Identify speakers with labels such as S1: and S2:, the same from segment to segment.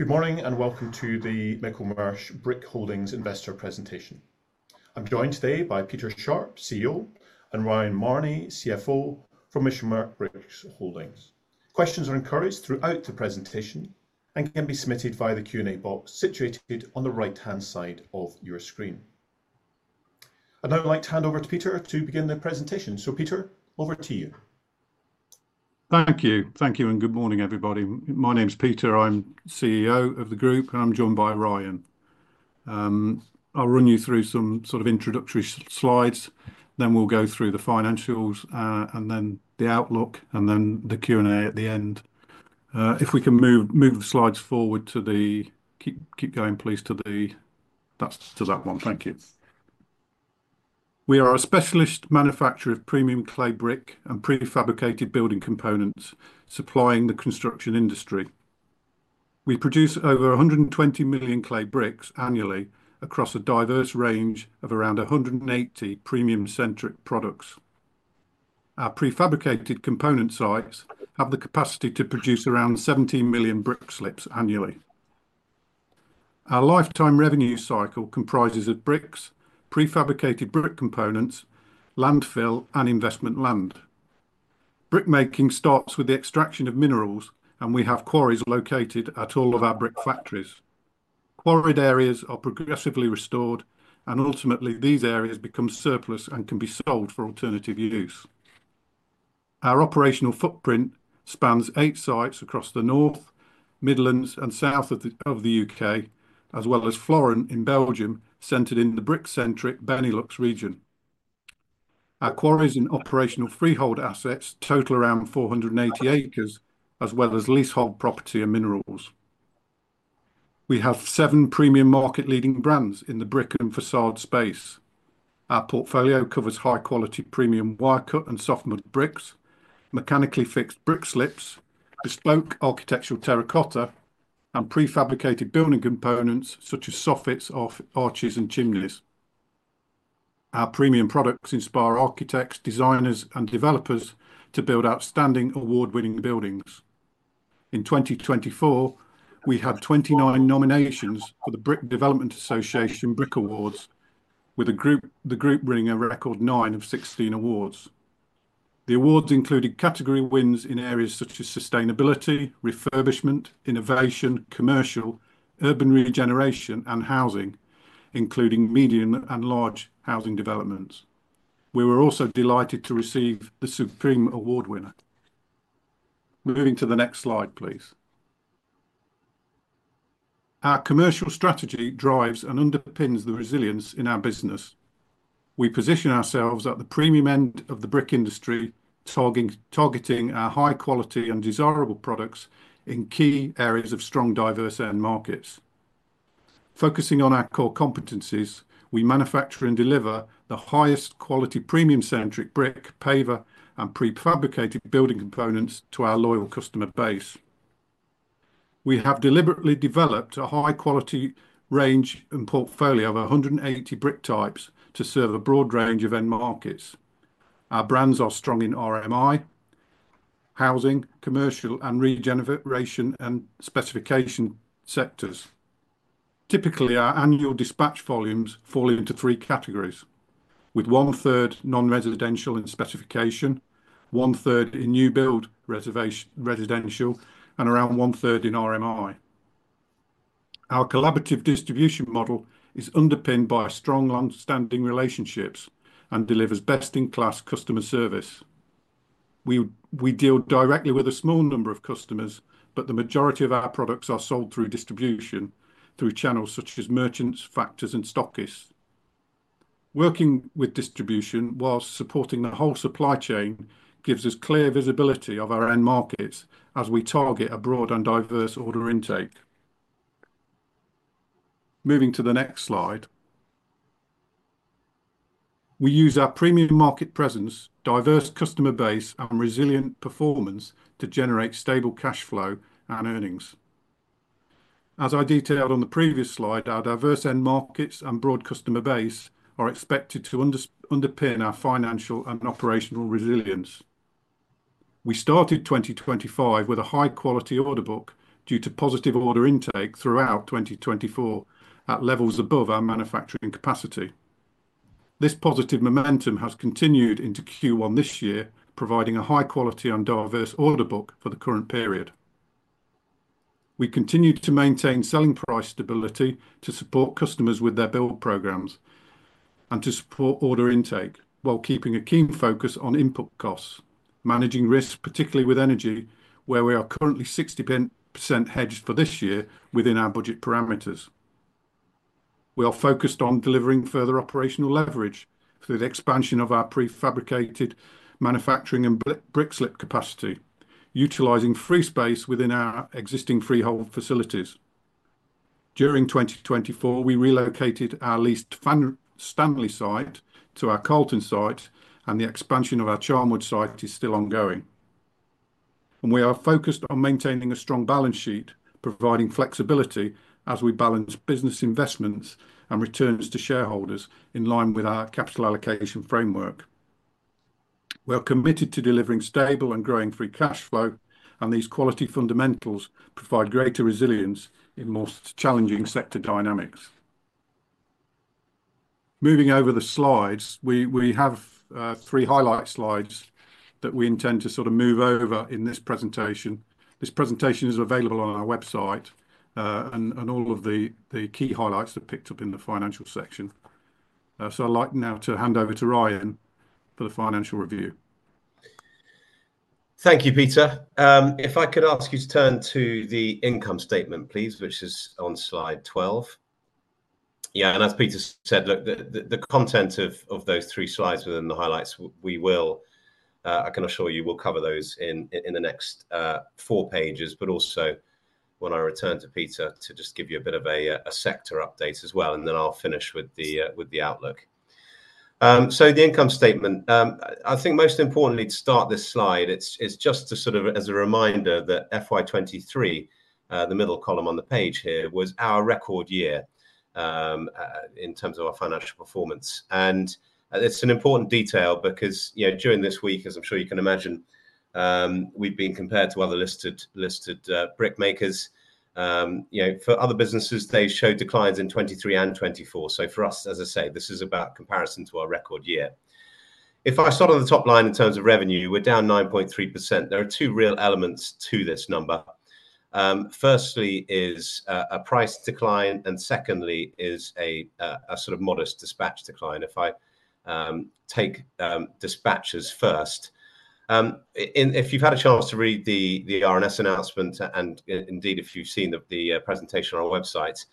S1: Good morning and welcome to the Michelmersh Brick Holdings investor presentation. I'm joined today by Peter Sharp, CEO, and Ryan Mahoney, CFO, from Michelmersh Brick Holdings. Questions are encouraged throughout the presentation and can be submitted via the Q&A box situated on the right-hand side of your screen. I'd like to hand over to Peter to begin the presentation. Peter, over to you.
S2: Thank you. Thank you and good morning, everybody. My name's Peter. I'm CEO of the group, and I'm joined by Ryan. I'll run you through some sort of introductory slides, then we'll go through the financials and then the outlook, and then the Q&A at the end. If we can move the slides forward to the—keep going, please—to that one. Thank you. We are a specialist manufacturer of premium clay brick and prefabricated building components supplying the construction industry. We produce over 120 million clay bricks annually across a diverse range of around 180 premium-centric products. Our prefabricated component sites have the capacity to produce around 17 million brick slips annually. Our lifetime revenue cycle comprises of bricks, prefabricated brick components, landfill, and investment land. Brickmaking starts with the extraction of minerals, and we have quarries located at all of our brick factories. Quarried areas are progressively restored, and ultimately these areas become surplus and can be sold for alternative use. Our operational footprint spans eight sites across the North, Midlands, and South of the U.K., as well as Floren in Belgium, centered in the brick-centric Benelux region. Our quarries and operational freehold assets total around 480 acres, as well as leasehold property and minerals. We have seven premium market-leading brands in the brick and facade space. Our portfolio covers high-quality premium wire-cut and soft-mud bricks, mechanically fixed brick slips, bespoke architectural terracotta, and prefabricated building components such as soffits, arches, and chimneys. Our premium products inspire architects, designers, and developers to build outstanding, award-winning buildings. In 2024, we had 29 nominations for the Brick Development Association Brick Awards, with the group bringing a record nine of 16 awards. The awards included category wins in areas such as sustainability, refurbishment, innovation, commercial, urban regeneration, and housing, including medium and large housing developments. We were also delighted to receive the Supreme Award winner. Moving to the next slide, please. Our commercial strategy drives and underpins the resilience in our business. We position ourselves at the premium end of the brick industry, targeting our high-quality and desirable products in key areas of strong, diverse end markets. Focusing on our core competencies, we manufacture and deliver the highest-quality premium-centric brick, paver, and prefabricated building components to our loyal customer base. We have deliberately developed a high-quality range and portfolio of 180 brick types to serve a broad range of end markets. Our brands are strong in RMI, housing, commercial, and regeneration and specification sectors. Typically, our annual dispatch volumes fall into three categories, with one-third non-residential in specification, one-third in new-build residential, and around one-third in RMI. Our collaborative distribution model is underpinned by strong long-standing relationships and delivers best-in-class customer service. We deal directly with a small number of customers, but the majority of our products are sold through distribution through channels such as merchants, factors, and stockists. Working with distribution whilst supporting the whole supply chain gives us clear visibility of our end markets as we target a broad and diverse order intake. Moving to the next slide. We use our premium market presence, diverse customer base, and resilient performance to generate stable cash flow and earnings. As I detailed on the previous slide, our diverse end markets and broad customer base are expected to underpin our financial and operational resilience. We started 2025 with a high-quality order book due to positive order intake throughout 2024 at levels above our manufacturing capacity. This positive momentum has continued into Q1 this year, providing a high-quality and diverse order book for the current period. We continue to maintain selling price stability to support customers with their build programs and to support order intake while keeping a keen focus on input costs, managing risks, particularly with energy, where we are currently 60% hedged for this year within our budget parameters. We are focused on delivering further operational leverage through the expansion of our prefabricated manufacturing and brick slip capacity, utilizing free space within our existing freehold facilities. During 2024, we relocated our leased Stanley site to our Colton site, and the expansion of our Charnwood site is still ongoing. We are focused on maintaining a strong balance sheet, providing flexibility as we balance business investments and returns to shareholders in line with our capital allocation framework. We are committed to delivering stable and growing free cash flow, and these quality fundamentals provide greater resilience in more challenging sector dynamics. Moving over the slides, we have three highlight slides that we intend to sort of move over in this presentation. This presentation is available on our website and all of the key highlights that are picked up in the financial section. I'd like now to hand over to Ryan for the financial review.
S3: Thank you, Peter. If I could ask you to turn to the income statement, please, which is on slide 12. Yeah, and as Peter said, look, the content of those three slides within the highlights, we will, I can assure you, we'll cover those in the next four pages, but also when I return to Peter to just give you a bit of a sector update as well, and then I'll finish with the outlook. The income statement, I think most importantly to start this slide, it's just to sort of as a reminder that FY2023, the middle column on the page here, was our record year in terms of our financial performance. It's an important detail because during this week, as I'm sure you can imagine, we've been compared to other listed brick makers. For other businesses, they showed declines in 2023 and 2024. For us, as I say, this is about comparison to our record year. If I start on the top line in terms of revenue, we're down 9.3%. There are two real elements to this number. Firstly is a price decline, and secondly is a sort of modest dispatch decline. If I take dispatches first, if you've had a chance to read the RNS announcement, and indeed if you've seen the presentation on our website,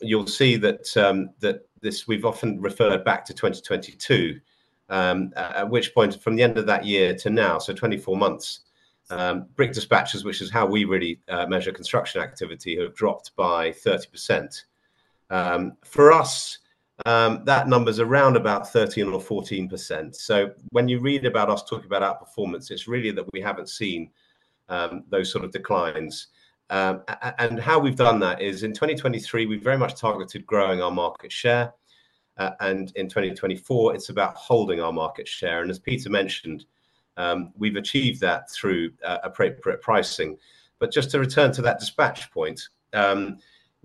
S3: you'll see that we've often referred back to 2022, at which point from the end of that year to now, so 24 months, brick dispatches, which is how we really measure construction activity, have dropped by 30%. For us, that number is around about 13 or 14%. When you read about us talking about our performance, it's really that we haven't seen those sort of declines. How we've done that is in 2023, we've very much targeted growing our market share. In 2024, it's about holding our market share. As Peter mentioned, we've achieved that through appropriate pricing. Just to return to that dispatch point,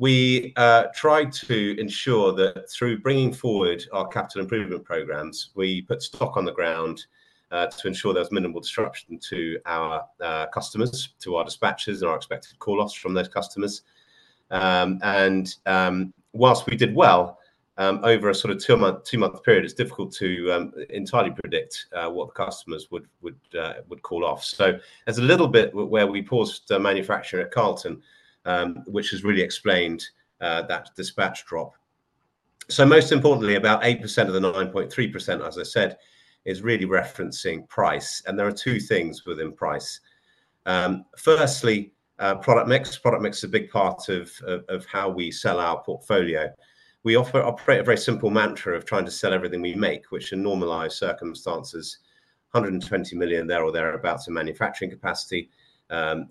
S3: we tried to ensure that through bringing forward our capital improvement programs, we put stock on the ground to ensure there's minimal disruption to our customers, to our dispatchers, and our expected call-offs from those customers. Whilst we did well over a sort of two-month period, it's difficult to entirely predict what the customers would call off. There's a little bit where we paused manufacture at Colton, which has really explained that dispatch drop. Most importantly, about 8% of the 9.3%, as I said, is really referencing price. There are two things within price. Firstly, product mix. Product mix is a big part of how we sell our portfolio. We operate a very simple mantra of trying to sell everything we make, which in normalized circumstances, 120 million there or thereabouts in manufacturing capacity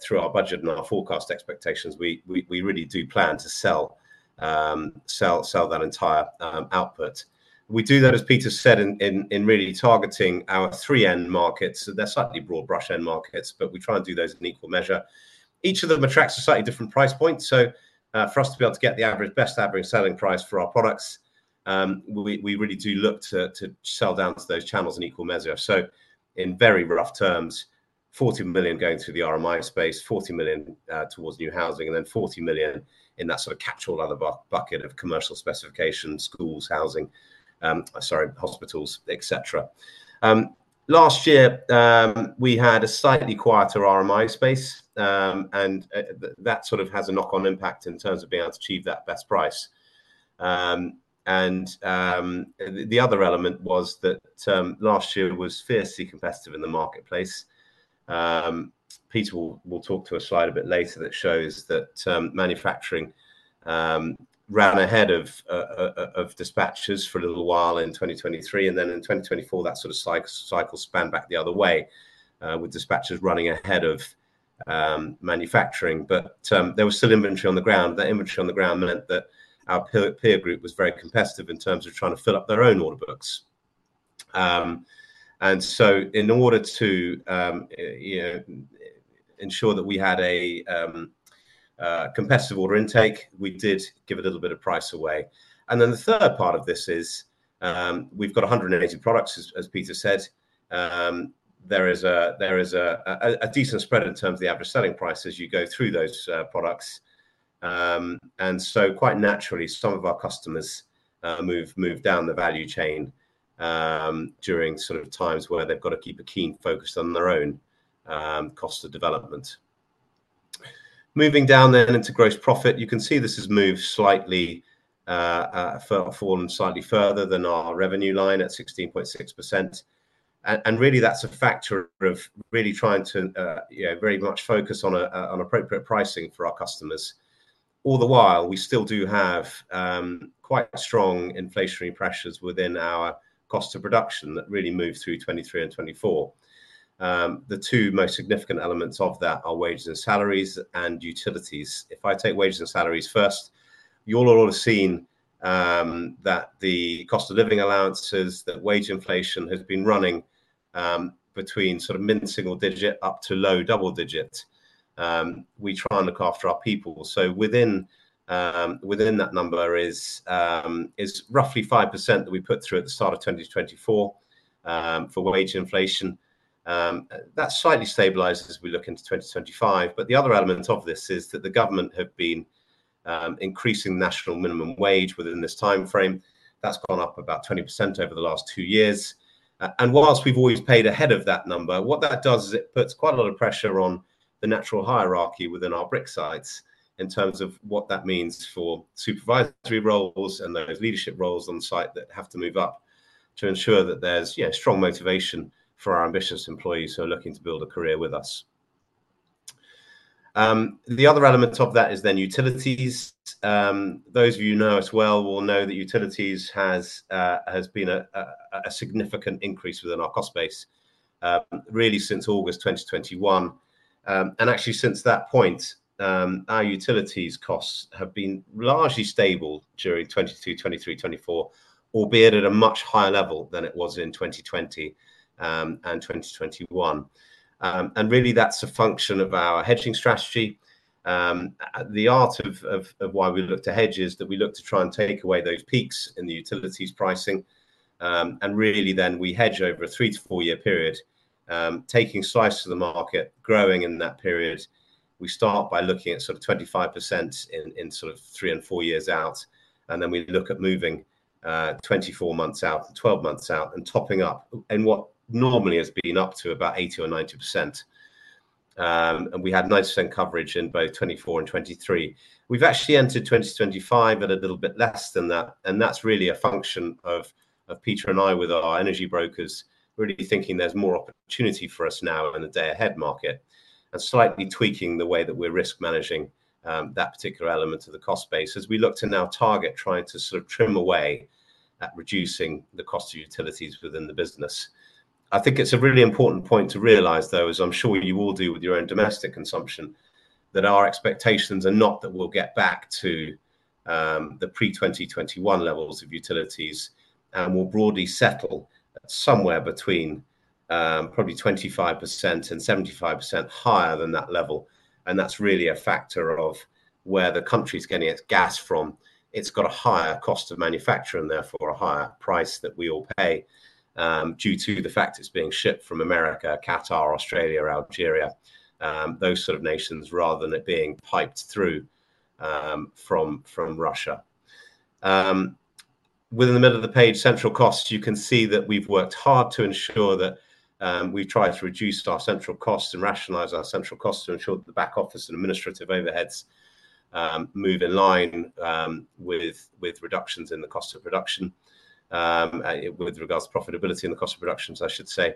S3: through our budget and our forecast expectations, we really do plan to sell that entire output. We do that, as Peter said, in really targeting our three end markets. They're slightly broad brush end markets, but we try and do those in equal measure. Each of them attracts a slightly different price point. For us to be able to get the best average selling price for our products, we really do look to sell down to those channels in equal measure. In very rough terms, 40 million going through the RMI space, 40 million towards new housing, and then 40 million in that sort of catch-all other bucket of commercial specifications, schools, hospitals, etc. Last year, we had a slightly quieter RMI space, and that sort of has a knock-on impact in terms of being able to achieve that best price. The other element was that last year was fiercely competitive in the marketplace. Peter will talk to a slide a bit later that shows that manufacturing ran ahead of dispatch volumes for a little while in 2023, and then in 2024, that sort of cycle spanned back the other way with dispatch volumes running ahead of manufacturing. There was still inventory on the ground. That inventory on the ground meant that our peer group was very competitive in terms of trying to fill up their own order books. In order to ensure that we had a competitive order intake, we did give a little bit of price away. The third part of this is we've got 180 products, as Peter said. There is a decent spread in terms of the average selling price as you go through those products. Quite naturally, some of our customers move down the value chain during sort of times where they've got to keep a keen focus on their own cost of development. Moving down then into gross profit, you can see this has moved slightly, fallen slightly further than our revenue line at 16.6%. Really, that's a factor of really trying to very much focus on appropriate pricing for our customers. All the while, we still do have quite strong inflationary pressures within our cost of production that really move through 2023 and 2024. The two most significant elements of that are wages and salaries and utilities. If I take wages and salaries first, you all will have seen that the cost of living allowances that wage inflation has been running between sort of mid-single digit up to low double digit. We try and look after our people. Within that number is roughly 5% that we put through at the start of 2024 for wage inflation. That slightly stabilizes as we look into 2025. The other element of this is that the government have been increasing the national minimum wage within this timeframe. That has gone up about 20% over the last two years. Whilst we've always paid ahead of that number, what that does is it puts quite a lot of pressure on the natural hierarchy within our brick sites in terms of what that means for supervisory roles and those leadership roles on site that have to move up to ensure that there's strong motivation for our ambitious employees who are looking to build a career with us. The other element of that is then utilities. Those of you who know us well will know that utilities has been a significant increase within our cost base really since August 2021. Actually, since that point, our utilities costs have been largely stable during 2022, 2023, 2024, albeit at a much higher level than it was in 2020 and 2021. Really, that's a function of our hedging strategy. The art of why we look to hedge is that we look to try and take away those peaks in the utilities pricing. Really, then we hedge over a three to four-year period, taking slices of the market, growing in that period. We start by looking at sort of 25% in sort of three and four years out, and then we look at moving 24 months out, 12 months out, and topping up in what normally has been up to about 80% or 90%. We had 90% coverage in both 2024 and 2023. We've actually entered 2025 at a little bit less than that, and that's really a function of Peter and I with our energy brokers really thinking there's more opportunity for us now in the day-ahead market and slightly tweaking the way that we're risk managing that particular element of the cost base as we look to now target trying to sort of trim away at reducing the cost of utilities within the business. I think it's a really important point to realize, though, as I'm sure you all do with your own domestic consumption, that our expectations are not that we'll get back to the pre-2021 levels of utilities and will broadly settle somewhere between probably 25%-75% higher than that level. That's really a factor of where the country's getting its gas from. It's got a higher cost of manufacturing and therefore a higher price that we all pay due to the fact it's being shipped from America, Qatar, Australia, Algeria, those sort of nations rather than it being piped through from Russia. Within the middle of the page, central costs, you can see that we've worked hard to ensure that we've tried to reduce our central costs and rationalize our central costs to ensure that the back office and administrative overheads move in line with reductions in the cost of production with regards to profitability and the cost of production, I should say.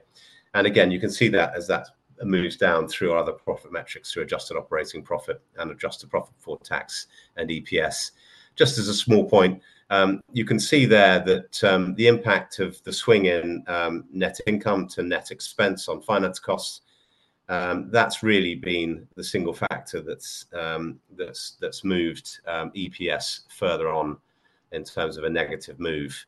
S3: You can see that as that moves down through our other profit metrics through adjusted operating profit and adjusted profit for tax and EPS. Just as a small point, you can see there that the impact of the swing in net income to net expense on finance costs, that's really been the single factor that's moved EPS further on in terms of a negative move.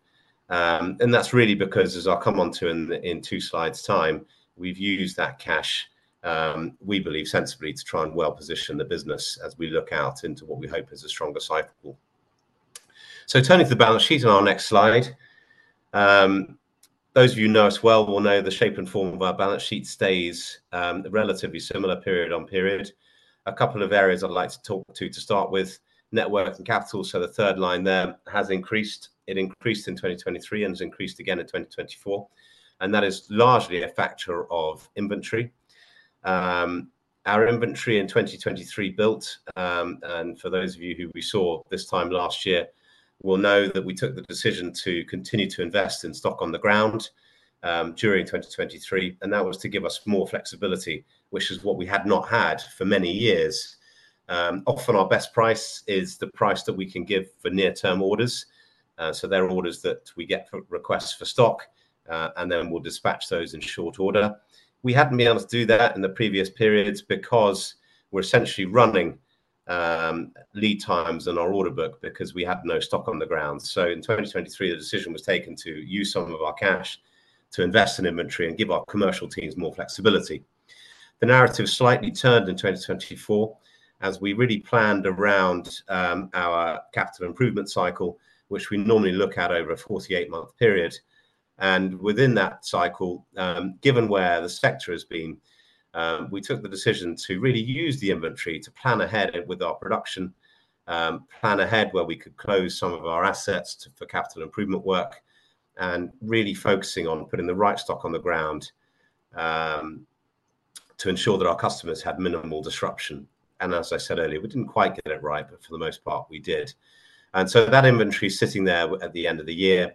S3: That's really because, as I'll come on to in two slides' time, we've used that cash, we believe, sensibly to try and well-position the business as we look out into what we hope is a stronger cycle. Turning to the balance sheet on our next slide, those of you who know us well will know the shape and form of our balance sheet stays relatively similar period on period. A couple of areas I'd like to talk to to start with, net worth and capital. The third line there has increased. It increased in 2023 and has increased again in 2024. That is largely a factor of inventory. Our inventory in 2023 built, and for those of you who we saw this time last year, will know that we took the decision to continue to invest in stock on the ground during 2023. That was to give us more flexibility, which is what we had not had for many years. Often, our best price is the price that we can give for near-term orders. There are orders that we get for requests for stock, and then we will dispatch those in short order. We had not been able to do that in the previous periods because we were essentially running lead times on our order book because we had no stock on the ground. In 2023, the decision was taken to use some of our cash to invest in inventory and give our commercial teams more flexibility. The narrative slightly turned in 2024 as we really planned around our capital improvement cycle, which we normally look at over a 48-month period. Within that cycle, given where the sector has been, we took the decision to really use the inventory to plan ahead with our production, plan ahead where we could close some of our assets for capital improvement work, and really focusing on putting the right stock on the ground to ensure that our customers had minimal disruption. As I said earlier, we did not quite get it right, but for the most part, we did. That inventory is sitting there at the end of the year.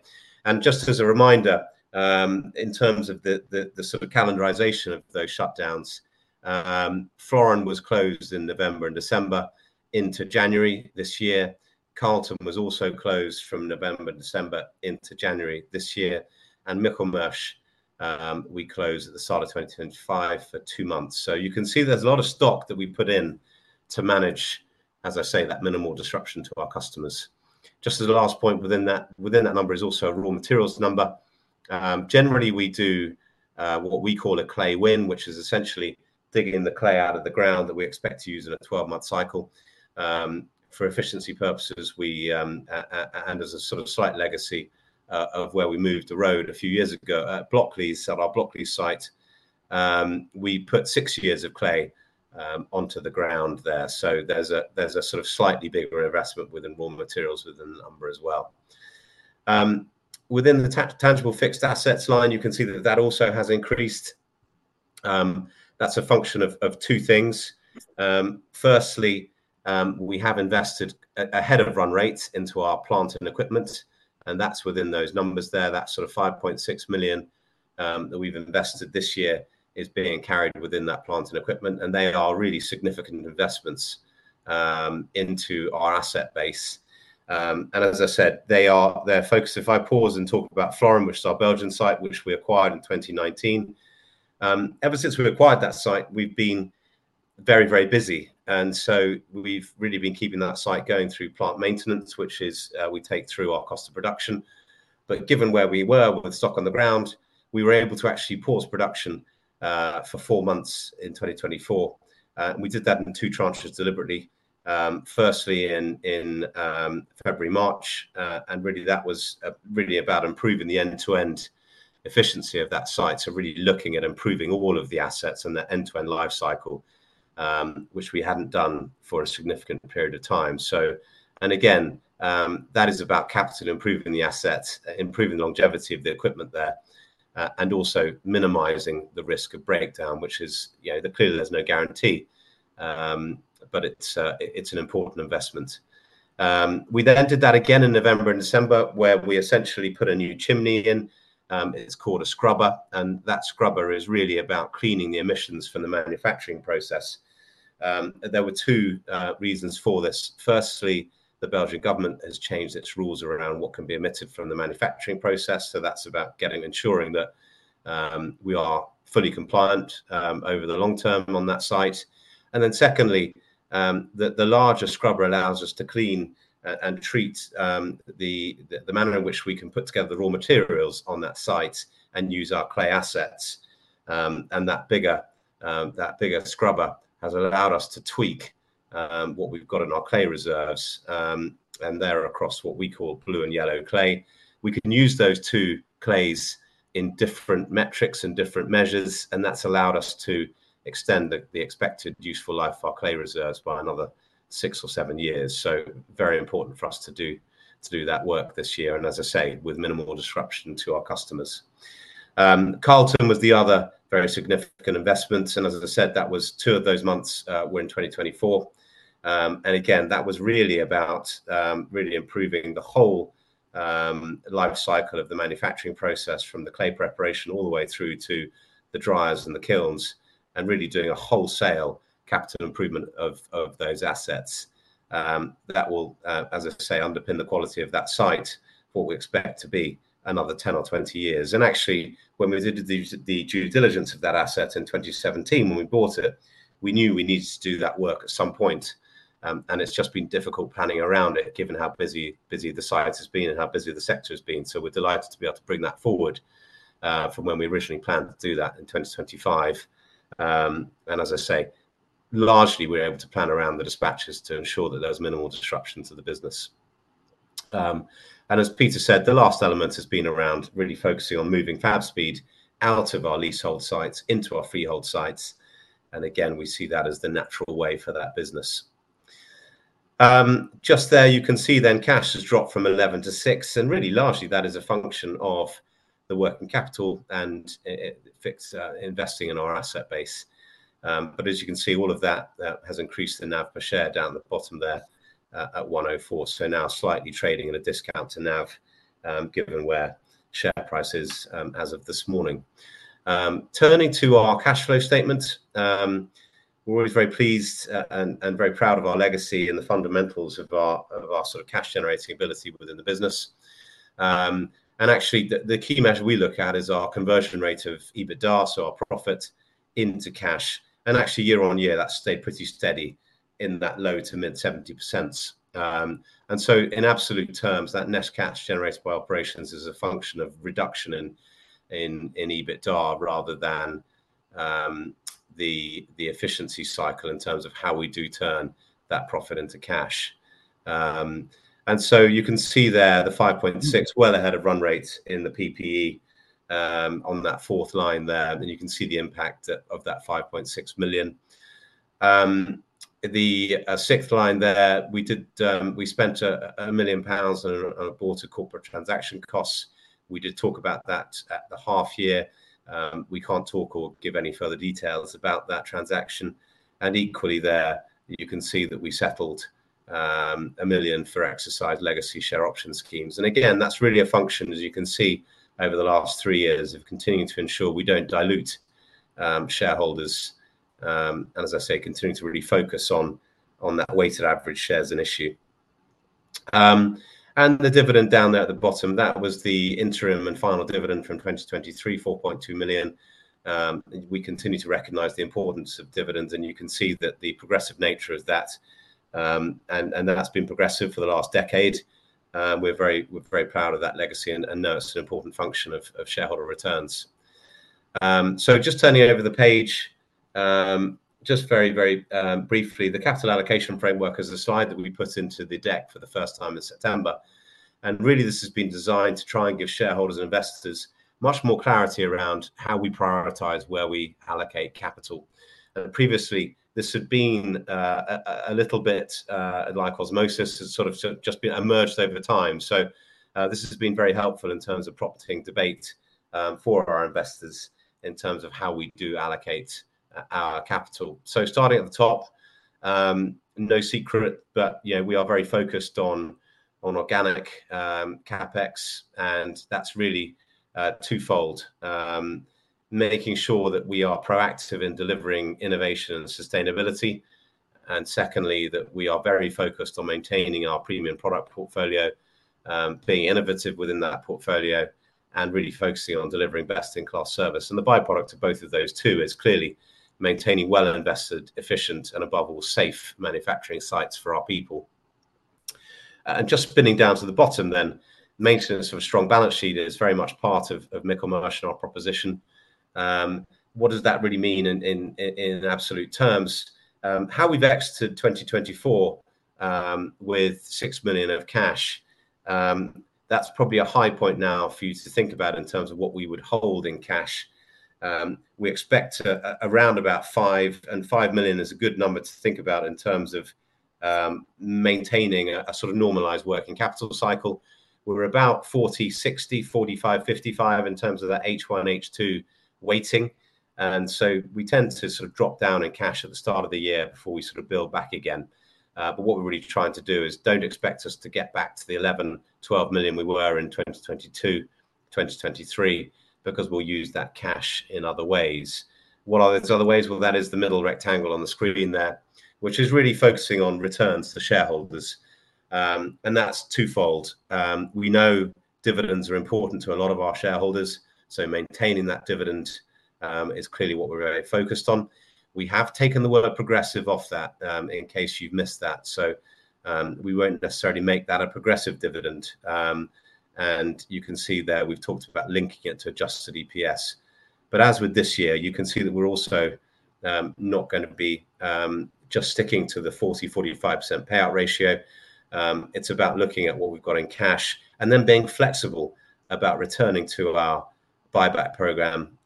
S3: Just as a reminder, in terms of the sort of calendarization of those shutdowns, Floren was closed in November and December into January this year. Colton was also closed from November, December into January this year. Michelmersh, we closed at the start of 2025 for two months. You can see there is a lot of stock that we put in to manage, as I say, that minimal disruption to our customers. Just as the last point within that number is also a raw materials number. Generally, we do what we call a clay win, which is essentially digging the clay out of the ground that we expect to use in a 12-month cycle. For efficiency purposes, and as a sort of slight legacy of where we moved the road a few years ago, at Blockleys, at our Blockley site, we put six years of clay onto the ground there. There is a sort of slightly bigger investment within raw materials within the number as well. Within the tangible fixed assets line, you can see that that also has increased. That is a function of two things. Firstly, we have invested ahead of run rate into our plant and equipment. That is within those numbers there. That sort of 5.6 million that we have invested this year is being carried within that plant and equipment. They are really significant investments into our asset base. As I said, they are focused. If I pause and talk about Floren, which is our Belgian site, which we acquired in 2019, ever since we acquired that site, we have been very, very busy. We have really been keeping that site going through plant maintenance, which we take through our cost of production. Given where we were with stock on the ground, we were able to actually pause production for four months in 2024. We did that in two tranches deliberately. Firstly in February, March. That was really about improving the end-to-end efficiency of that site. Really looking at improving all of the assets and that end-to-end life cycle, which we had not done for a significant period of time. Again, that is about capital improving the assets, improving the longevity of the equipment there, and also minimizing the risk of breakdown, which is clearly there is no guarantee, but it is an important investment. We then did that again in November and December, where we essentially put a new chimney in. It is called a scrubber. That scrubber is really about cleaning the emissions from the manufacturing process. There were two reasons for this. Firstly, the Belgian government has changed its rules around what can be emitted from the manufacturing process. That is about ensuring that we are fully compliant over the long term on that site. The larger scrubber allows us to clean and treat the manner in which we can put together the raw materials on that site and use our clay assets. That bigger scrubber has allowed us to tweak what we've got in our clay reserves. They are across what we call blue and yellow clay. We can use those two clays in different metrics and different measures. That has allowed us to extend the expected useful life of our clay reserves by another six or seven years. It is very important for us to do that work this year. As I say, with minimal disruption to our customers. Colton was the other very significant investment. As I said, that was two of those months were in 2024. That was really about really improving the whole life cycle of the manufacturing process from the clay preparation all the way through to the dryers and the kilns and really doing a wholesale capital improvement of those assets. That will, as I say, underpin the quality of that site for what we expect to be another 10 or 20 years. Actually, when we did the due diligence of that asset in 2017, when we bought it, we knew we needed to do that work at some point. It has just been difficult planning around it, given how busy the site has been and how busy the sector has been. We are delighted to be able to bring that forward from when we originally planned to do that in 2025. As I say, largely, we're able to plan around the dispatches to ensure that there's minimal disruption to the business. As Peter said, the last element has been around really focusing on moving FabSpeed out of our leasehold sites into our freehold sites. Again, we see that as the natural way for that business. Just there, you can see then cash has dropped from 11 million to 6 million. Really, largely, that is a function of the working capital and investing in our asset base. As you can see, all of that has increased the NAV per share down at the bottom there at 104. Now slightly trading at a discount to NAV, given where share price is as of this morning. Turning to our cash flow statement, we're always very pleased and very proud of our legacy and the fundamentals of our sort of cash-generating ability within the business. Actually, the key measure we look at is our conversion rate of EBITDA, so our profit into cash. Actually, year on year, that's stayed pretty steady in that low to mid 70%. In absolute terms, that net cash generated by operations is a function of reduction in EBITDA rather than the efficiency cycle in terms of how we do turn that profit into cash. You can see there the 5.6 well ahead of run rate in the PPE on that fourth line there. You can see the impact of that 5.6 million. The sixth line there, we spent 1 million pounds on a board to corporate transaction costs. We did talk about that at the half year. We can't talk or give any further details about that transaction. Equally, you can see that we settled 1 million for exercise legacy share option schemes. Again, that's really a function, as you can see, over the last three years of continuing to ensure we don't dilute shareholders. As I say, continuing to really focus on that weighted average shares in issue. The dividend down there at the bottom, that was the interim and final dividend from 2023, 4.2 million. We continue to recognize the importance of dividends. You can see the progressive nature of that, and that's been progressive for the last decade. We're very proud of that legacy and know it's an important function of shareholder returns. Turning over the page, just very, very briefly, the capital allocation framework is a slide that we put into the deck for the first time in September. Really, this has been designed to try and give shareholders and investors much more clarity around how we prioritize where we allocate capital. Previously, this had been a little bit like osmosis, has sort of just been emerged over time. This has been very helpful in terms of property debate for our investors in terms of how we do allocate our capital. Starting at the top, no secret, but we are very focused on organic CapEx. That is really twofold, making sure that we are proactive in delivering innovation and sustainability. Secondly, we are very focused on maintaining our premium product portfolio, being innovative within that portfolio, and really focusing on delivering best-in-class service. The byproduct of both of those two is clearly maintaining well-invested, efficient, and above all, safe manufacturing sites for our people. Spinning down to the bottom then, maintenance of a strong balance sheet is very much part of Michelmersh and our proposition. What does that really mean in absolute terms? How we've exited 2024 with 6 million of cash, that's probably a high point now for you to think about in terms of what we would hold in cash. We expect around about 5 million, and 5 million is a good number to think about in terms of maintaining a sort of normalized working capital cycle. We're about 40-60, 45-55 in terms of that H1, H2 weighting. We tend to sort of drop down in cash at the start of the year before we sort of build back again. What we're really trying to do is don't expect us to get back to the 11-12 million we were in 2022, 2023, because we'll use that cash in other ways. What are those other ways? That is the middle rectangle on the screen there, which is really focusing on returns to shareholders. That's twofold. We know dividends are important to a lot of our shareholders. Maintaining that dividend is clearly what we're very focused on. We have taken the word progressive off that in case you've missed that. We won't necessarily make that a progressive dividend. You can see there we've talked about linking it to adjusted EPS. As with this year, you can see that we're also not going to be just sticking to the 40-45% payout ratio. It's about looking at what we've got in cash and then being flexible about returning to our buyback program,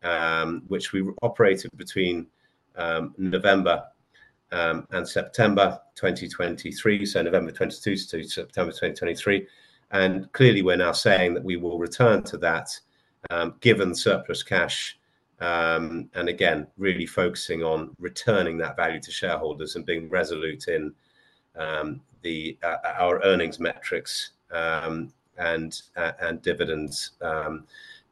S3: which we operated between November and September 2023, so November 2022 to September 2023. Clearly, we're now saying that we will return to that given surplus cash. Again, really focusing on returning that value to shareholders and being resolute in our earnings metrics and dividends.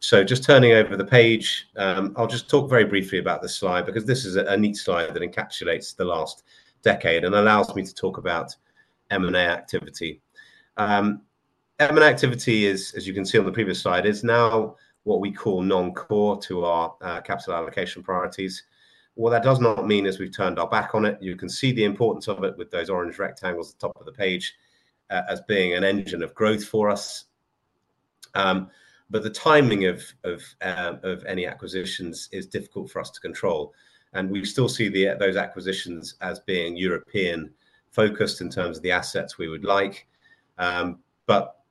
S3: Just turning over the page, I'll just talk very briefly about this slide because this is a neat slide that encapsulates the last decade and allows me to talk about M&A activity. M&A activity is, as you can see on the previous slide, is now what we call non-core to our capital allocation priorities. What that does not mean is we've turned our back on it. You can see the importance of it with those orange rectangles at the top of the page as being an engine of growth for us. The timing of any acquisitions is difficult for us to control. We still see those acquisitions as being European-focused in terms of the assets we would like.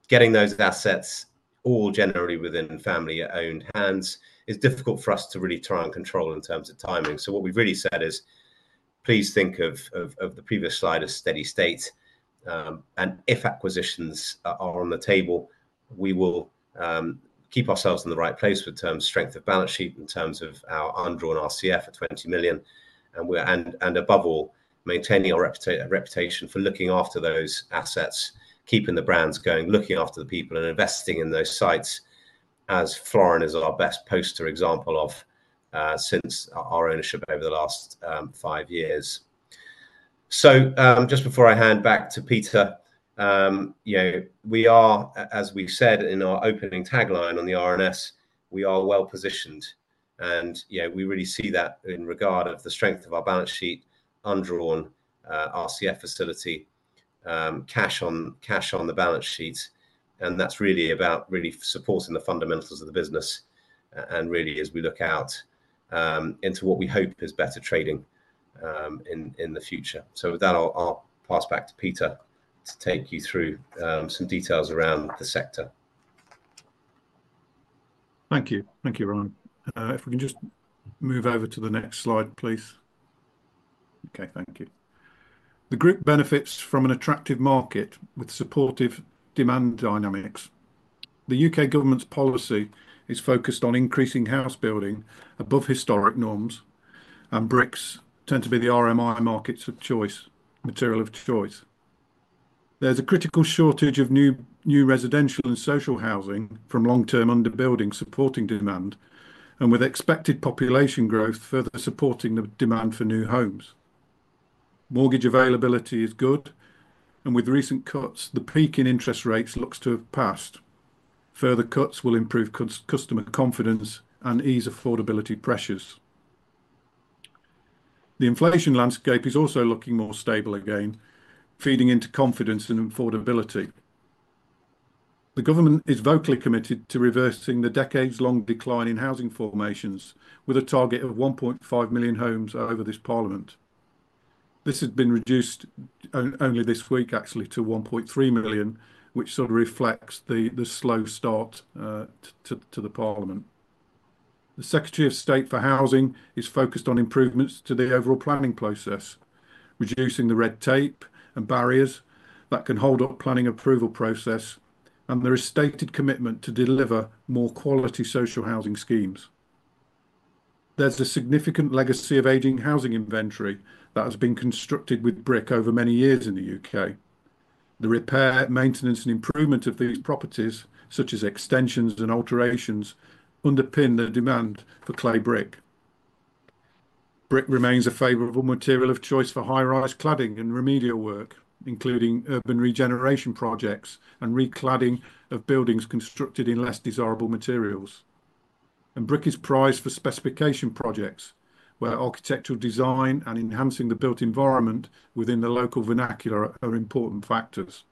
S3: Getting those assets all generally within family-owned hands is difficult for us to really try and control in terms of timing. What we've really said is, please think of the previous slide as steady state. If acquisitions are on the table, we will keep ourselves in the right place with terms strength of balance sheet in terms of our undrawn RCF at 20 million. Above all, maintaining our reputation for looking after those assets, keeping the brands going, looking after the people and investing in those sites as Floren is our best poster example of since our ownership over the last five years. Just before I hand back to Peter, we are, as we said in our opening tagline on the RNS, well positioned. We really see that in regard of the strength of our balance sheet, undrawn RCF facility, cash on the balance sheet. That is really about supporting the fundamentals of the business and really as we look out into what we hope is better trading in the future. With that, I'll pass back to Peter to take you through some details around the sector.
S2: Thank you. Thank you, Ryan. If we can just move over to the next slide, please.
S3: Okay, thank you.
S2: The group benefits from an attractive market with supportive demand dynamics. The U.K. government's policy is focused on increasing house building above historic norms. Bricks tend to be the RMI markets of choice, material of choice. There is a critical shortage of new residential and social housing from long-term underbuilding supporting demand and with expected population growth further supporting the demand for new homes. Mortgage availability is good. With recent cuts, the peak in interest rates looks to have passed. Further cuts will improve customer confidence and ease affordability pressures. The inflation landscape is also looking more stable again, feeding into confidence and affordability. The government is vocally committed to reversing the decades-long decline in housing formations with a target of 1.5 million homes over this parliament. This has been reduced only this week, actually, to 1.3 million, which sort of reflects the slow start to the parliament. The Secretary of State for Housing is focused on improvements to the overall planning process, reducing the red tape and barriers that can hold up the planning approval process. There is stated commitment to deliver more quality social housing schemes. There is a significant legacy of aging housing inventory that has been constructed with brick over many years in the U.K. The repair, maintenance, and improvement of these properties, such as extensions and alterations, underpin the demand for clay brick. Brick remains a favorable material of choice for high-rise cladding and remedial work, including urban regeneration projects and recladding of buildings constructed in less desirable materials. Brick is prized for specification projects where architectural design and enhancing the built environment within the local vernacular are important factors.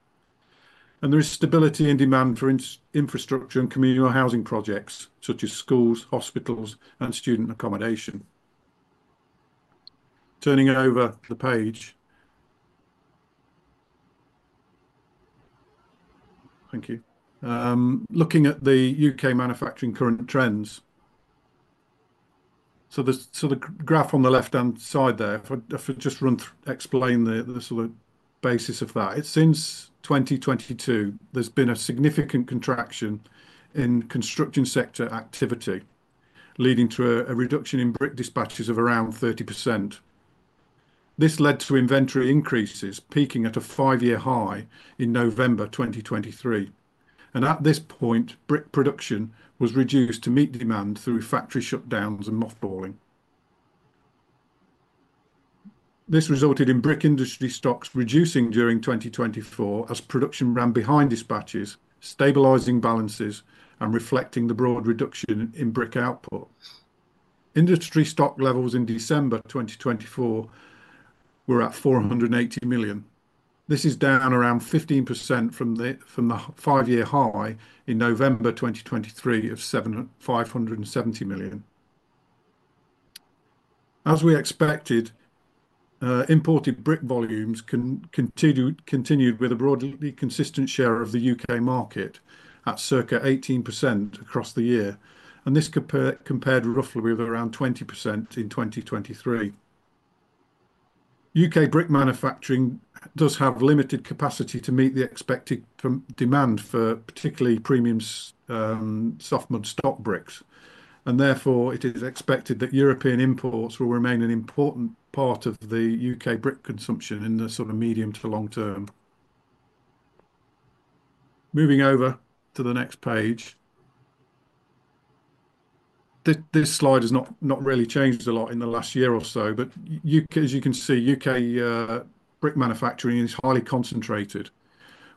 S2: There is stability in demand for infrastructure and communal housing projects such as schools, hospitals, and student accommodation. Turning over the page. Thank you. Looking at the U.K. manufacturing current trends. The graph on the left-hand side there, if I just explain the sort of basis of that. Since 2022, there's been a significant contraction in construction sector activity, leading to a reduction in brick dispatches of around 30%. This led to inventory increases peaking at a five-year high in November 2023. At this point, brick production was reduced to meet demand through factory shutdowns and mothballing. This resulted in brick industry stocks reducing during 2024 as production ran behind dispatches, stabilizing balances, and reflecting the broad reduction in brick output. Industry stock levels in December 2024 were at 480 million. This is down around 15% from the five-year high in November 2023 of 570 million. As we expected, imported brick volumes continued with a broadly consistent share of the U.K. market at circa 18% across the year. This compared roughly with around 20% in 2023. U.K. brick manufacturing does have limited capacity to meet the expected demand for particularly premium softwood stock bricks. Therefore, it is expected that European imports will remain an important part of the U.K. brick consumption in the sort of medium to long term. Moving over to the next page. This slide has not really changed a lot in the last year or so, but as you can see, U.K. brick manufacturing is highly concentrated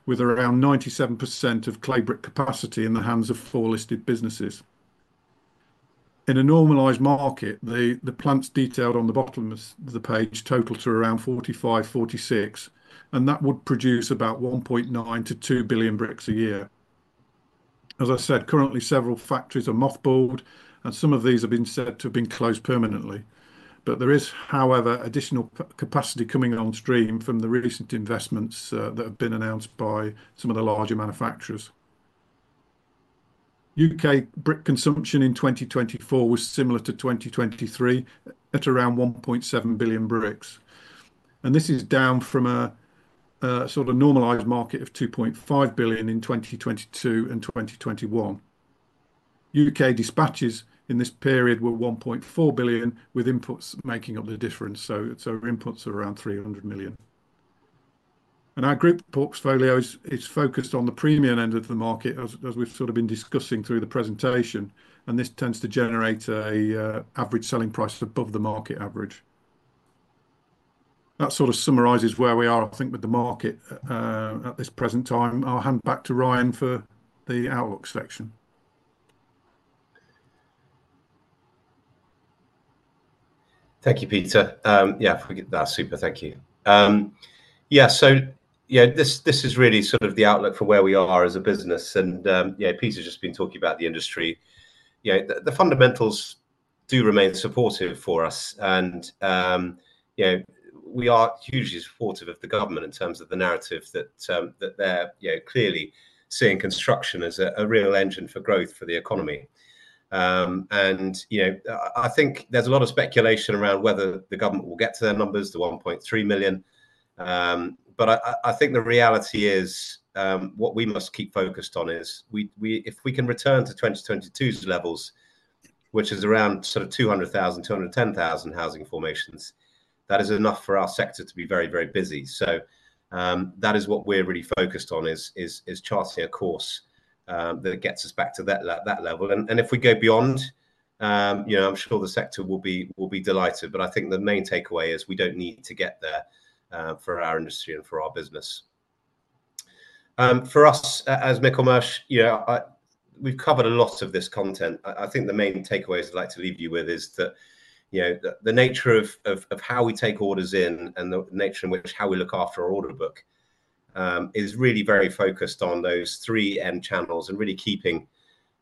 S2: with around 97% of clay brick capacity in the hands of four listed businesses. In a normalized market, the plants detailed on the bottom of the page total to around 45-46, and that would produce about 1.9-2 billion bricks a year. As I said, currently, several factories are mothballed, and some of these have been said to have been closed permanently. There is, however, additional capacity coming on stream from the recent investments that have been announced by some of the larger manufacturers. U.K. brick consumption in 2024 was similar to 2023 at around 1.7 billion bricks. This is down from a sort of normalized market of 2.5 billion in 2022 and 2021. U.K. dispatches in this period were 1.4 billion, with imports making up the difference. Imports are around 300 million. Our group portfolio is focused on the premium end of the market, as we've sort of been discussing through the presentation. This tends to generate an average selling price above the market average. That sort of summarizes where we are, I think, with the market at this present time. I'll hand back to Ryan for the outlook section.
S3: Thank you, Peter. Yeah, that's super. Thank you. Yeah, this is really sort of the outlook for where we are as a business. Peter's just been talking about the industry. The fundamentals do remain supportive for us. We are hugely supportive of the government in terms of the narrative that they're clearly seeing construction as a real engine for growth for the economy. I think there's a lot of speculation around whether the government will get to their numbers, the 1.3 million. I think the reality is what we must keep focused on is if we can return to 2022's levels, which is around 200,000-210,000 housing formations, that is enough for our sector to be very, very busy. That is what we're really focused on, charting a course that gets us back to that level. If we go beyond, I'm sure the sector will be delighted. I think the main takeaway is we do not need to get there for our industry and for our business. For us, as Michelmersh, we have covered a lot of this content. I think the main takeaway I would like to leave you with is that the nature of how we take orders in and the nature in which how we look after our order book is really very focused on those three end channels and really keeping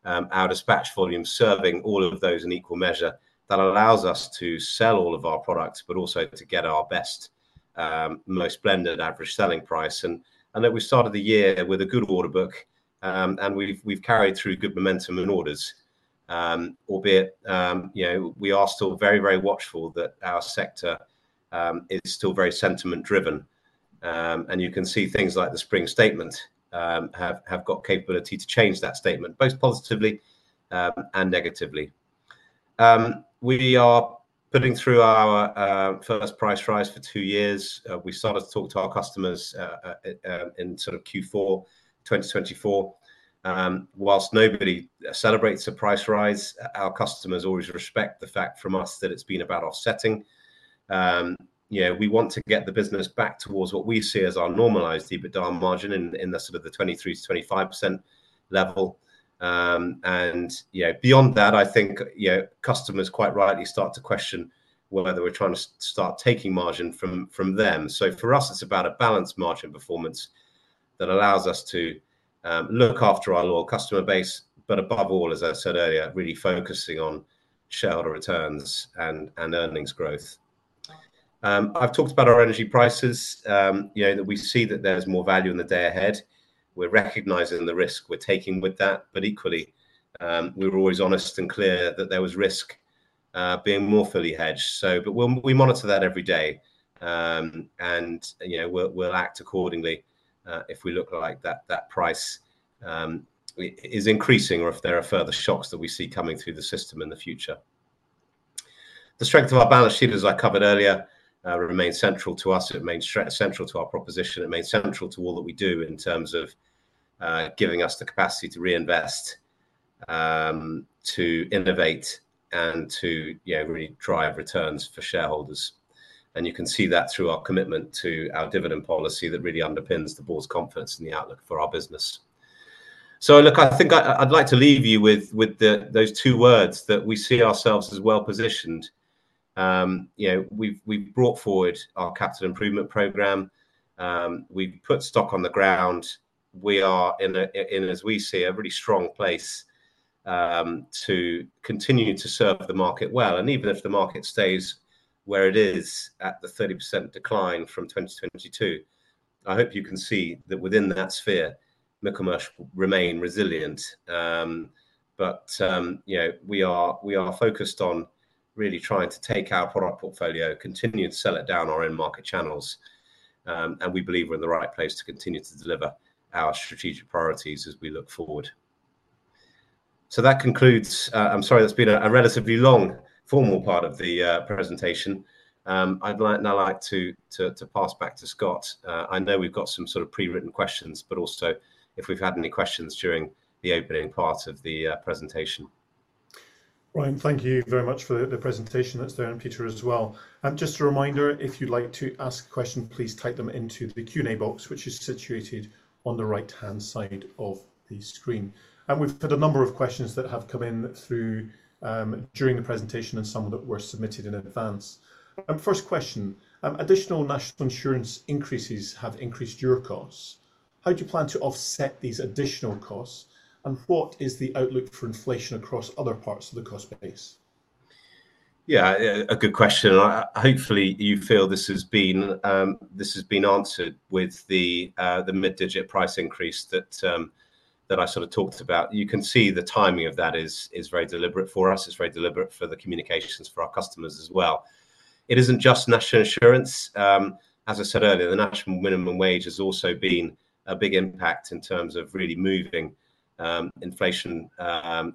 S3: our dispatch volume serving all of those in equal measure. That allows us to sell all of our products, but also to get our best, most blended average selling price. We started the year with a good order book, and we have carried through good momentum in orders, albeit we are still very, very watchful that our sector is still very sentiment-driven. You can see things like the spring statement have got capability to change that statement, both positively and negatively. We are putting through our first price rise for two years. We started to talk to our customers in sort of Q4 2024. Whilst nobody celebrates a price rise, our customers always respect the fact from us that it's been about offsetting. We want to get the business back towards what we see as our normalized EBITDA margin in the sort of the 23-25% level. Beyond that, I think customers quite rightly start to question whether we're trying to start taking margin from them. For us, it's about a balanced margin performance that allows us to look after our lower customer base, but above all, as I said earlier, really focusing on shareholder returns and earnings growth. I've talked about our energy prices. We see that there's more value in the day ahead. We're recognizing the risk we're taking with that. We were always honest and clear that there was risk being more fully hedged. We monitor that every day. We'll act accordingly if we look like that price is increasing or if there are further shocks that we see coming through the system in the future. The strength of our balance sheet, as I covered earlier, remains central to us. It remains central to our proposition. It remains central to all that we do in terms of giving us the capacity to reinvest, to innovate, and to really drive returns for shareholders. You can see that through our commitment to our dividend policy that really underpins the board's confidence in the outlook for our business. I think I'd like to leave you with those two words that we see ourselves as well positioned. We've brought forward our capital improvement program. We've put stock on the ground. We are, as we see, a really strong place to continue to serve the market well. Even if the market stays where it is at the 30% decline from 2022, I hope you can see that within that sphere, Michelmersh remain resilient. We are focused on really trying to take our product portfolio, continue to sell it down our end market channels. We believe we're in the right place to continue to deliver our strategic priorities as we look forward. That concludes, I'm sorry, that's been a relatively long formal part of the presentation. I'd now like to pass back to Scott. I know we've got some sort of pre-written questions, but also if we've had any questions during the opening part of the presentation.
S1: Ryan, thank you very much for the presentation. That's Ryan and Peter as well. Just a reminder, if you'd like to ask a question, please type them into the Q&A box, which is situated on the right-hand side of the screen. We've had a number of questions that have come in during the presentation and some that were submitted in advance. First question, additional national insurance increases have increased your costs. How do you plan to offset these additional costs? What is the outlook for inflation across other parts of the cost base?
S3: Yeah, a good question. Hopefully, you feel this has been answered with the mid-digit price increase that I sort of talked about. You can see the timing of that is very deliberate for us. It's very deliberate for the communications for our customers as well. It isn't just national insurance. As I said earlier, the national minimum wage has also been a big impact in terms of really moving inflation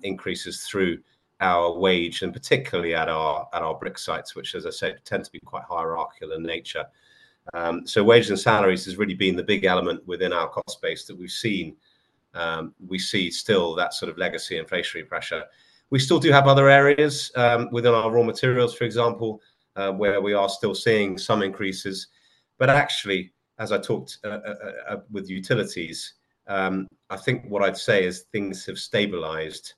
S3: increases through our wage, and particularly at our brick sites, which, as I said, tend to be quite hierarchical in nature. So wages and salaries has really been the big element within our cost base that we've seen. We see still that sort of legacy inflationary pressure. We still do have other areas within our raw materials, for example, where we are still seeing some increases. Actually, as I talked with utilities, I think what I'd say is things have stabilized.In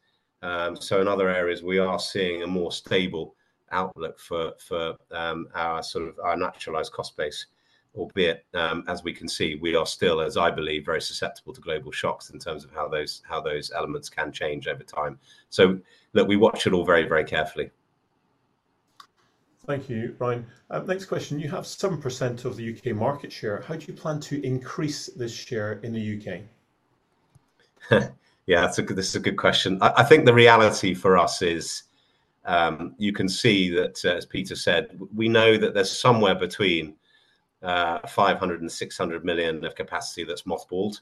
S3: other areas, we are seeing a more stable outlook for our sort of our naturalized cost base, albeit as we can see, we are still, as I believe, very susceptible to global shocks in terms of how those elements can change over time. We watch it all very, very carefully.
S1: Thank you, Ryan. Next question, you have 7% of the U.K. market share. How do you plan to increase this share in the U.K.?
S3: Yeah, this is a good question. I think the reality for us is you can see that, as Peter said, we know that there's somewhere between 500 and 600 million of capacity that's mothballed.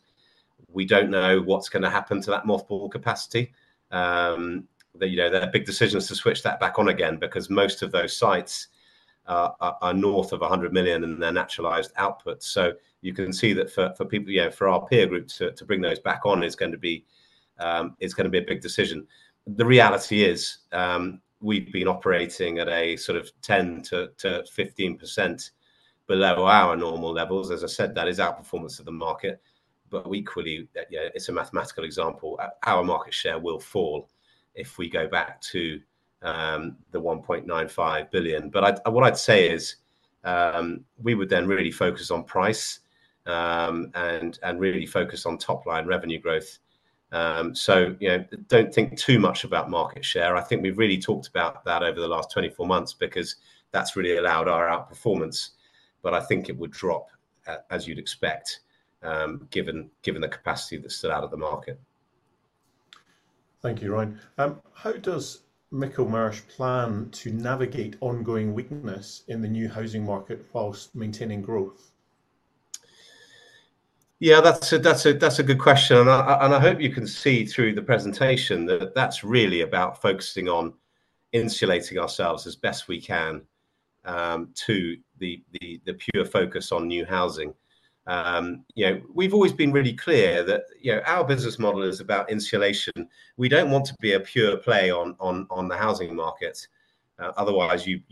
S3: We do not know what's going to happen to that mothballed capacity. There are big decisions to switch that back on again because most of those sites are north of 100 million in their naturalized output. You can see that for our peer groups to bring those back on is going to be a big decision. The reality is we've been operating at a sort of 10-15% below our normal levels. As I said, that is our performance of the market. Equally, it's a mathematical example. Our market share will fall if we go back to the 1.95 billion. What I'd say is we would then really focus on price and really focus on top-line revenue growth. Don't think too much about market share. I think we've really talked about that over the last 24 months because that's really allowed our outperformance. I think it would drop, as you'd expect, given the capacity that's still out of the market.
S1: Thank you, Ryan. How does Michelmersh plan to navigate ongoing weakness in the new housing market whilst maintaining growth?
S3: Yeah, that's a good question. I hope you can see through the presentation that that's really about focusing on insulating ourselves as best we can to the pure focus on new housing. We've always been really clear that our business model is about insulation. We don't want to be a pure play on the housing market. Otherwise, you'd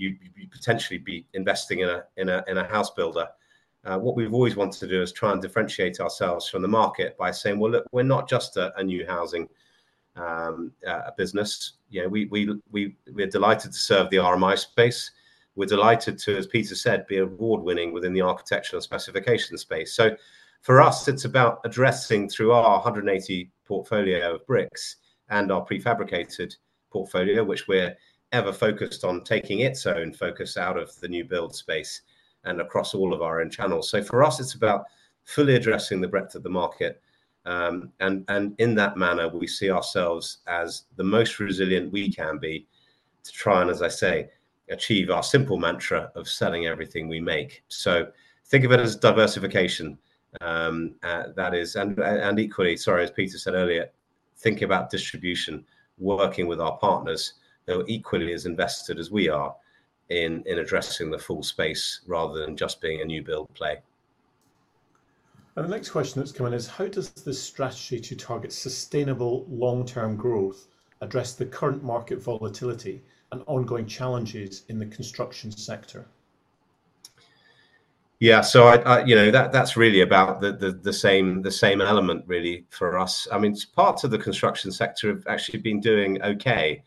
S3: potentially be investing in a house builder. What we've always wanted to do is try and differentiate ourselves from the market by saying, you know, we're not just a new housing business. We're delighted to serve the RMI space. We're delighted to, as Peter said, be award-winning within the architectural specification space. For us, it's about addressing through our 180 portfolio of bricks and our prefabricated portfolio, which we're ever focused on taking its own focus out of the new build space and across all of our end channels. For us, it's about fully addressing the breadth of the market. In that manner, we see ourselves as the most resilient we can be to try and, as I say, achieve our simple mantra of selling everything we make. Think of it as diversification. Equally, sorry, as Peter said earlier, think about distribution, working with our partners who are equally as invested as we are in addressing the full space rather than just being a new build play. The next question that's come in is, how does the strategy to target sustainable long-term growth address the current market volatility and ongoing challenges in the construction sector? Yeah, that's really about the same element really for us. I mean, parts of the construction sector have actually been doing okay.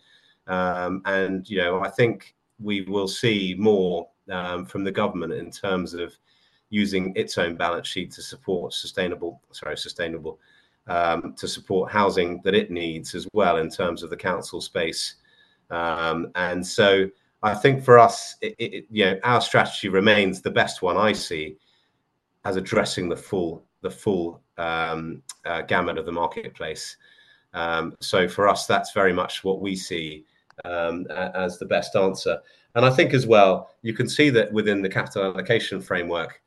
S3: I think we will see more from the government in terms of using its own balance sheet to support sustainable, sorry, sustainable to support housing that it needs as well in terms of the council space. I think for us, our strategy remains the best one I see as addressing the full gamut of the marketplace. For us, that's very much what we see as the best answer. I think as well, you can see that within the capital allocation framework,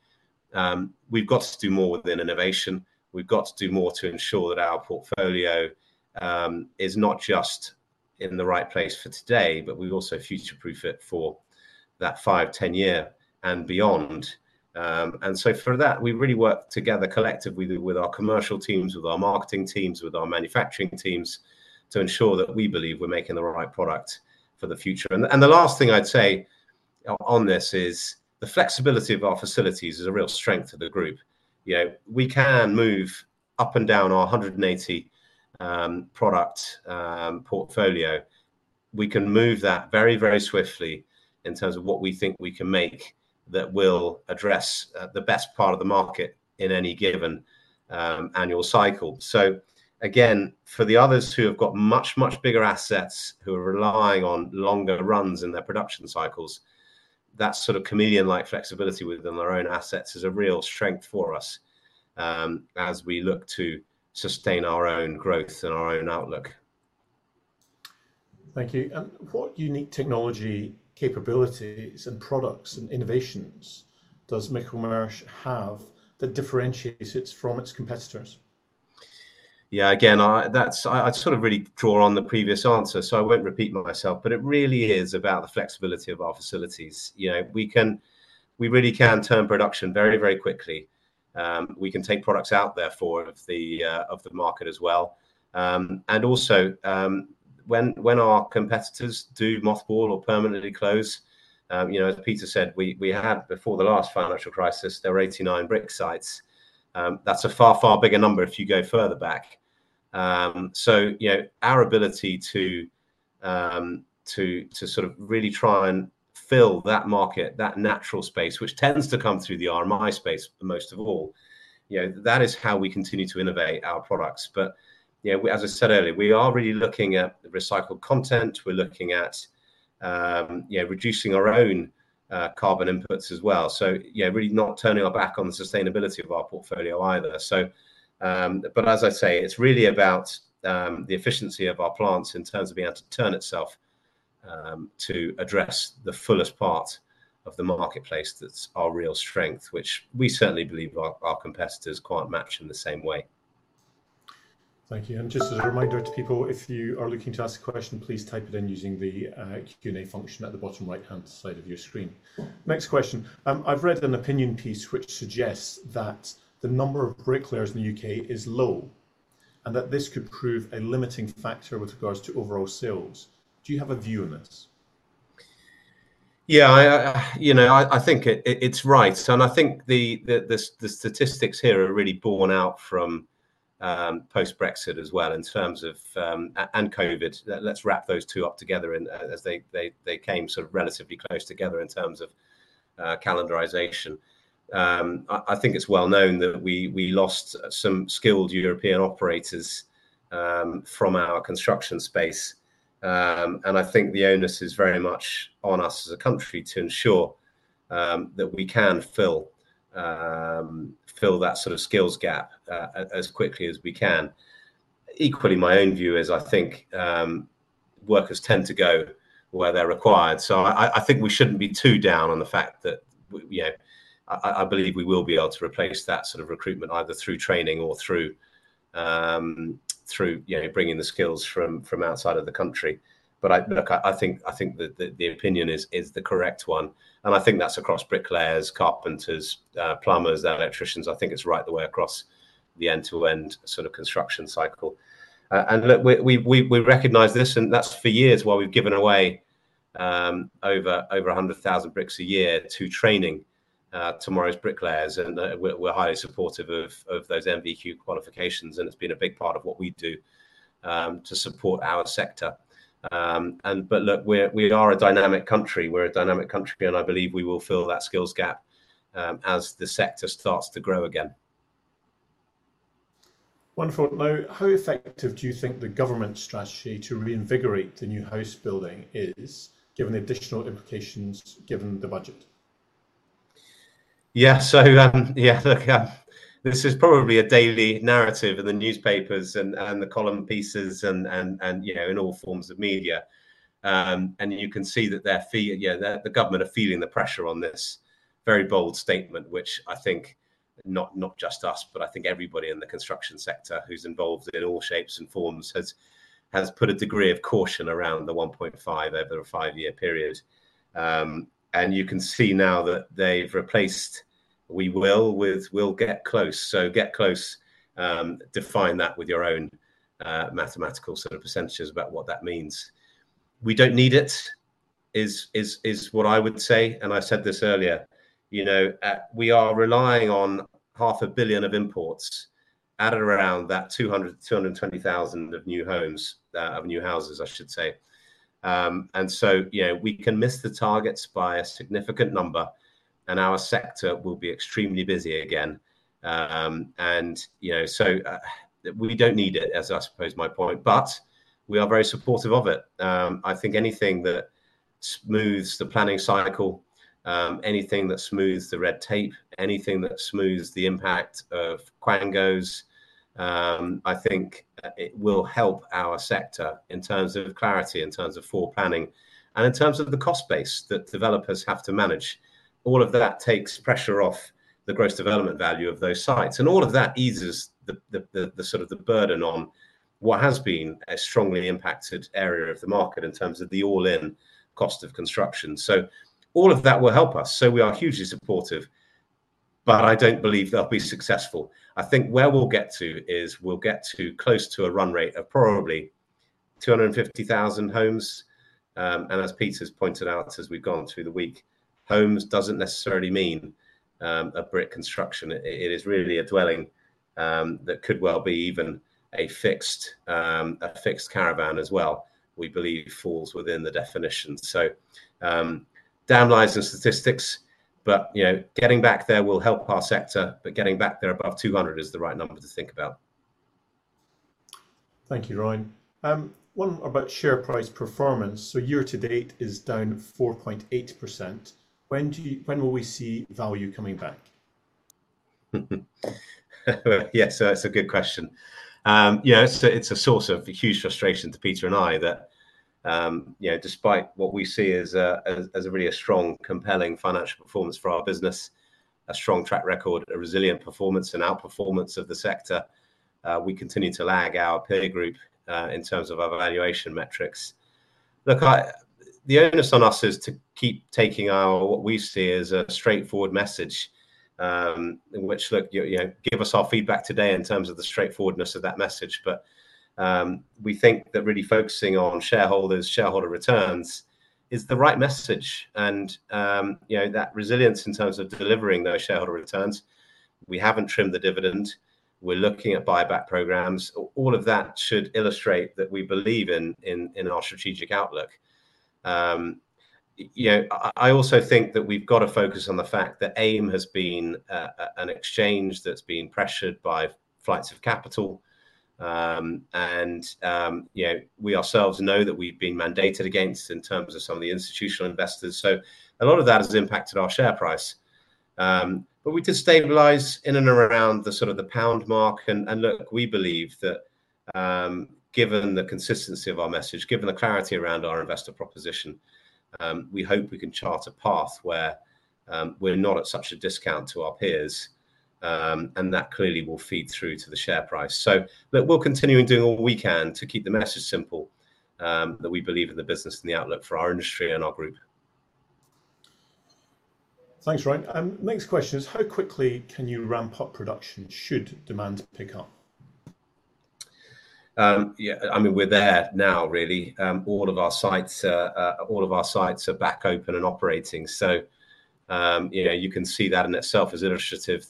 S3: we've got to do more within innovation. We've got to do more to ensure that our portfolio is not just in the right place for today, but we also future-proof it for that 5, 10 year and beyond. For that, we really work together collectively with our commercial teams, with our marketing teams, with our manufacturing teams to ensure that we believe we're making the right product for the future. The last thing I'd say on this is the flexibility of our facilities is a real strength of the group. We can move up and down our 180 product portfolio. We can move that very, very swiftly in terms of what we think we can make that will address the best part of the market in any given annual cycle. Again, for the others who have got much, much bigger assets who are relying on longer runs in their production cycles, that sort of chameleon-like flexibility within their own assets is a real strength for us as we look to sustain our own growth and our own outlook.
S1: Thank you. What unique technology capabilities and products and innovations does Michelmersh have that differentiates it from its competitors?
S3: Yeah, again, I sort of really draw on the previous answer, so I will not repeat myself, but it really is about the flexibility of our facilities. We really can turn production very, very quickly. We can take products out there for the market as well. Also, when our competitors do mothball or permanently close, as Peter said, we had before the last financial crisis, there were 89 brick sites. That is a far, far bigger number if you go further back. Our ability to sort of really try and fill that market, that natural space, which tends to come through the RMI space most of all, that is how we continue to innovate our products. As I said earlier, we are really looking at recycled content. We're looking at reducing our own carbon inputs as well. Really not turning our back on the sustainability of our portfolio either. As I say, it's really about the efficiency of our plants in terms of being able to turn itself to address the fullest part of the marketplace. That's our real strength, which we certainly believe our competitors can't match in the same way.
S1: Thank you. Just as a reminder to people, if you are looking to ask a question, please type it in using the Q&A function at the bottom right-hand side of your screen. Next question. I've read an opinion piece which suggests that the number of brick layers in the U.K. is low and that this could prove a limiting factor with regards to overall sales. Do you have a view on this?
S3: Yeah, I think it's right. I think the statistics here are really borne out from post-Brexit as well in terms of and COVID. Let's wrap those two up together as they came sort of relatively close together in terms of calendarization. I think it's well known that we lost some skilled European operators from our construction space. I think the onus is very much on us as a country to ensure that we can fill that sort of skills gap as quickly as we can. Equally, my own view is I think workers tend to go where they're required. I think we shouldn't be too down on the fact that I believe we will be able to replace that sort of recruitment either through training or through bringing the skills from outside of the country. I think the opinion is the correct one. I think that's across brick layers, carpenters, plumbers, electricians. I think it's right the way across the end-to-end sort of construction cycle. Look, we recognize this, and that's for years while we've given away over 100,000 bricks a year to training tomorrow's brick layers. We're highly supportive of those qualifications, and it's been a big part of what we do to support our sector. We are a dynamic country. We're a dynamic country, and I believe we will fill that skills gap as the sector starts to grow again. Wonderful. Now, how effective do you think the government strategy to reinvigorate the new house building is, given the additional implications given the budget? Yeah, this is probably a daily narrative in the newspapers and the column pieces and in all forms of media. You can see that the government are feeling the pressure on this very bold statement, which I think not just us, but I think everybody in the construction sector who's involved in all shapes and forms has put a degree of caution around the 1.5 over a five-year period. You can see now that they've replaced, we will with, we'll get close. Get close, define that with your own mathematical sort of percentages about what that means. We don't need it is what I would say. I said this earlier, we are relying on $500,000,000 of imports at around that 220,000 of new homes, of new houses, I should say. We can miss the targets by a significant number, and our sector will be extremely busy again. We do not need it, as I suppose my point, but we are very supportive of it. I think anything that smooths the planning cycle, anything that smooths the red tape, anything that smooths the impact of quangos, I think it will help our sector in terms of clarity, in terms of full planning, and in terms of the cost base that developers have to manage. All of that takes pressure off the gross development value of those sites. All of that eases the burden on what has been a strongly impacted area of the market in terms of the all-in cost of construction. All of that will help us. We are hugely supportive, but I do not believe they will be successful. I think where we will get to is we will get to close to a run rate of probably 250,000 homes. As Peter's pointed out, as we've gone through the week, homes does not necessarily mean a brick construction. It is really a dwelling that could well be even a fixed caravan as well, we believe falls within the definition. Downlines and statistics, but getting back there will help our sector. Getting back there above 200 is the right number to think about.
S1: Thank you, Ryan. One about share price performance. Year to date is down 4.8%. When will we see value coming back?
S3: Yes, that's a good question. It's a source of huge frustration to Peter and I that despite what we see as really a strong, compelling financial performance for our business, a strong track record, a resilient performance, and outperformance of the sector, we continue to lag our peer group in terms of our valuation metrics. Look, the onus on us is to keep taking what we see as a straightforward message in which, look, give us our feedback today in terms of the straightforwardness of that message. We think that really focusing on shareholders, shareholder returns is the right message. That resilience in terms of delivering those shareholder returns, we haven't trimmed the dividend. We are looking at buyback programs. All of that should illustrate that we believe in our strategic outlook. I also think that we've got to focus on the fact that AIM has been an exchange that's been pressured by flights of capital. We ourselves know that we've been mandated against in terms of some of the institutional investors. A lot of that has impacted our share price. We did stabilize in and around the sort of the GBP 1 mark. Look, we believe that given the consistency of our message, given the clarity around our investor proposition, we hope we can chart a path where we are not at such a discount to our peers. That clearly will feed through to the share price. We will continue in doing all we can to keep the message simple that we believe in the business and the outlook for our industry and our group.
S1: Thanks, Ryan. Next question is, how quickly can you ramp up production should demand pick up?
S3: Yeah, I mean, we are there now, really. All of our sites, all of our sites are back open and operating. You can see that in itself as illustrative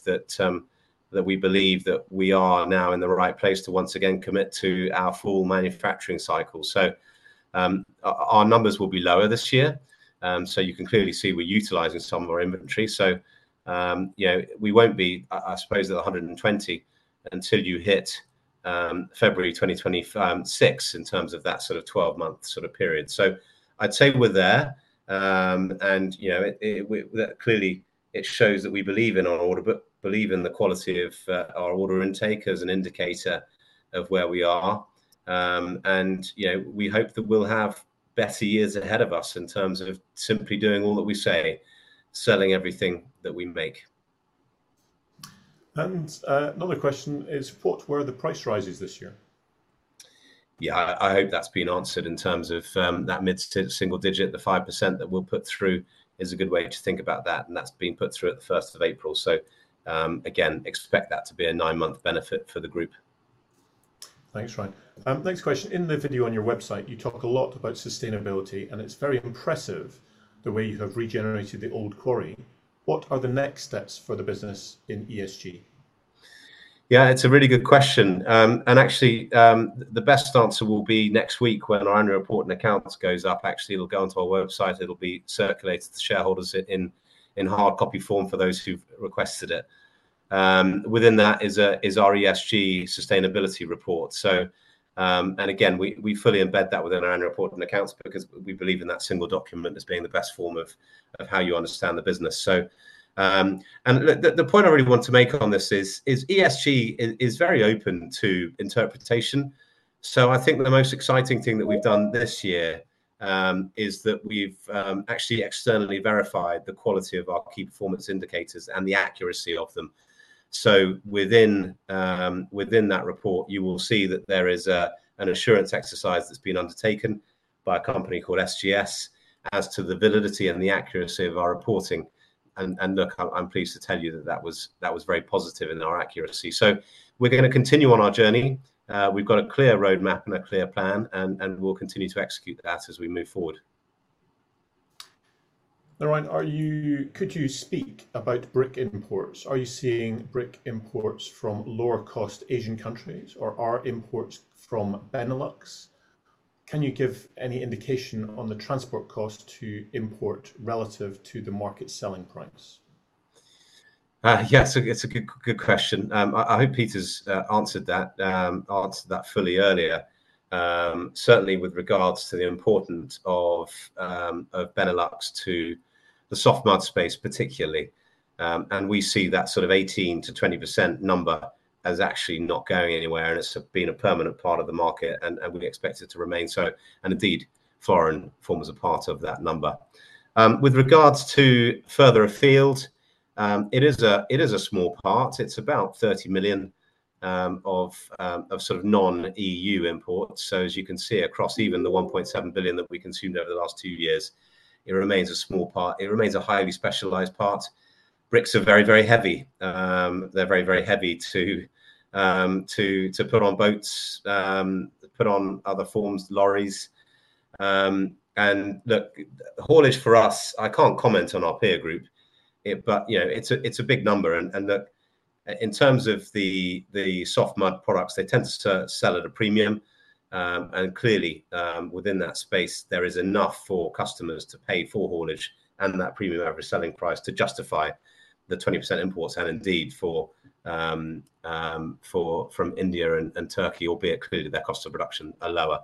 S3: that we believe that we are now in the right place to once again commit to our full manufacturing cycle. Our numbers will be lower this year. You can clearly see we're utilizing some of our inventory. We won't be, I suppose, at 120 until you hit February 2026 in terms of that sort of 12-month sort of period. I'd say we're there. It shows that we believe in our order, believe in the quality of our order intake as an indicator of where we are. We hope that we'll have better years ahead of us in terms of simply doing all that we say, selling everything that we make. Another question is, what were the price rises this year? I hope that's been answered in terms of that mid to single digit, the 5% that we'll put through is a good way to think about that. That's been put through at the 1st of April. Expect that to be a nine-month benefit for the group.
S1: Thanks, Ryan. Next question. In the video on your website, you talk a lot about sustainability, and it's very impressive the way you have regenerated the old quarry. What are the next steps for the business in ESG?
S3: Yeah, it's a really good question. Actually, the best answer will be next week when our annual report and accounts goes up. Actually, it'll go onto our website. It'll be circulated to shareholders in hard copy form for those who've requested it. Within that is our ESG sustainability report. Again, we fully embed that within our annual report and accounts because we believe in that single document as being the best form of how you understand the business. The point I really want to make on this is ESG is very open to interpretation. I think the most exciting thing that we've done this year is that we've actually externally verified the quality of our key performance indicators and the accuracy of them. Within that report, you will see that there is an assurance exercise that's been undertaken by a company called SGS as to the validity and the accuracy of our reporting. Look, I'm pleased to tell you that that was very positive in our accuracy. We're going to continue on our journey. We've got a clear roadmap and a clear plan, and we'll continue to execute that as we move forward.
S1: Ryan, could you speak about brick imports? Are you seeing brick imports from lower-cost Asian countries or are imports from Benelux? Can you give any indication on the transport cost to import relative to the market selling price?
S3: Yes, it's a good question. I hope Peter's answered that fully earlier, certainly with regards to the importance of Benelux to the soft mud space, particularly. We see that sort of 18%-20% number as actually not going anywhere, and it's been a permanent part of the market, and we expect it to remain so. Indeed, Floren forms a part of that number. With regards to further afield, it is a small part. It's about 30 million of sort of non-EU imports. As you can see across even the 1.7 billion that we consumed over the last two years, it remains a small part. It remains a highly specialized part. Bricks are very, very heavy. They're very, very heavy to put on boats, put on other forms, lorries. Haulage for us, I can't comment on our peer group, but it's a big number. Look, in terms of the soft mud products, they tend to sell at a premium. Clearly, within that space, there is enough for customers to pay for haulage and that premium average selling price to justify the 20% imports. Indeed, from India and Turkey, albeit clearly their cost of production are lower.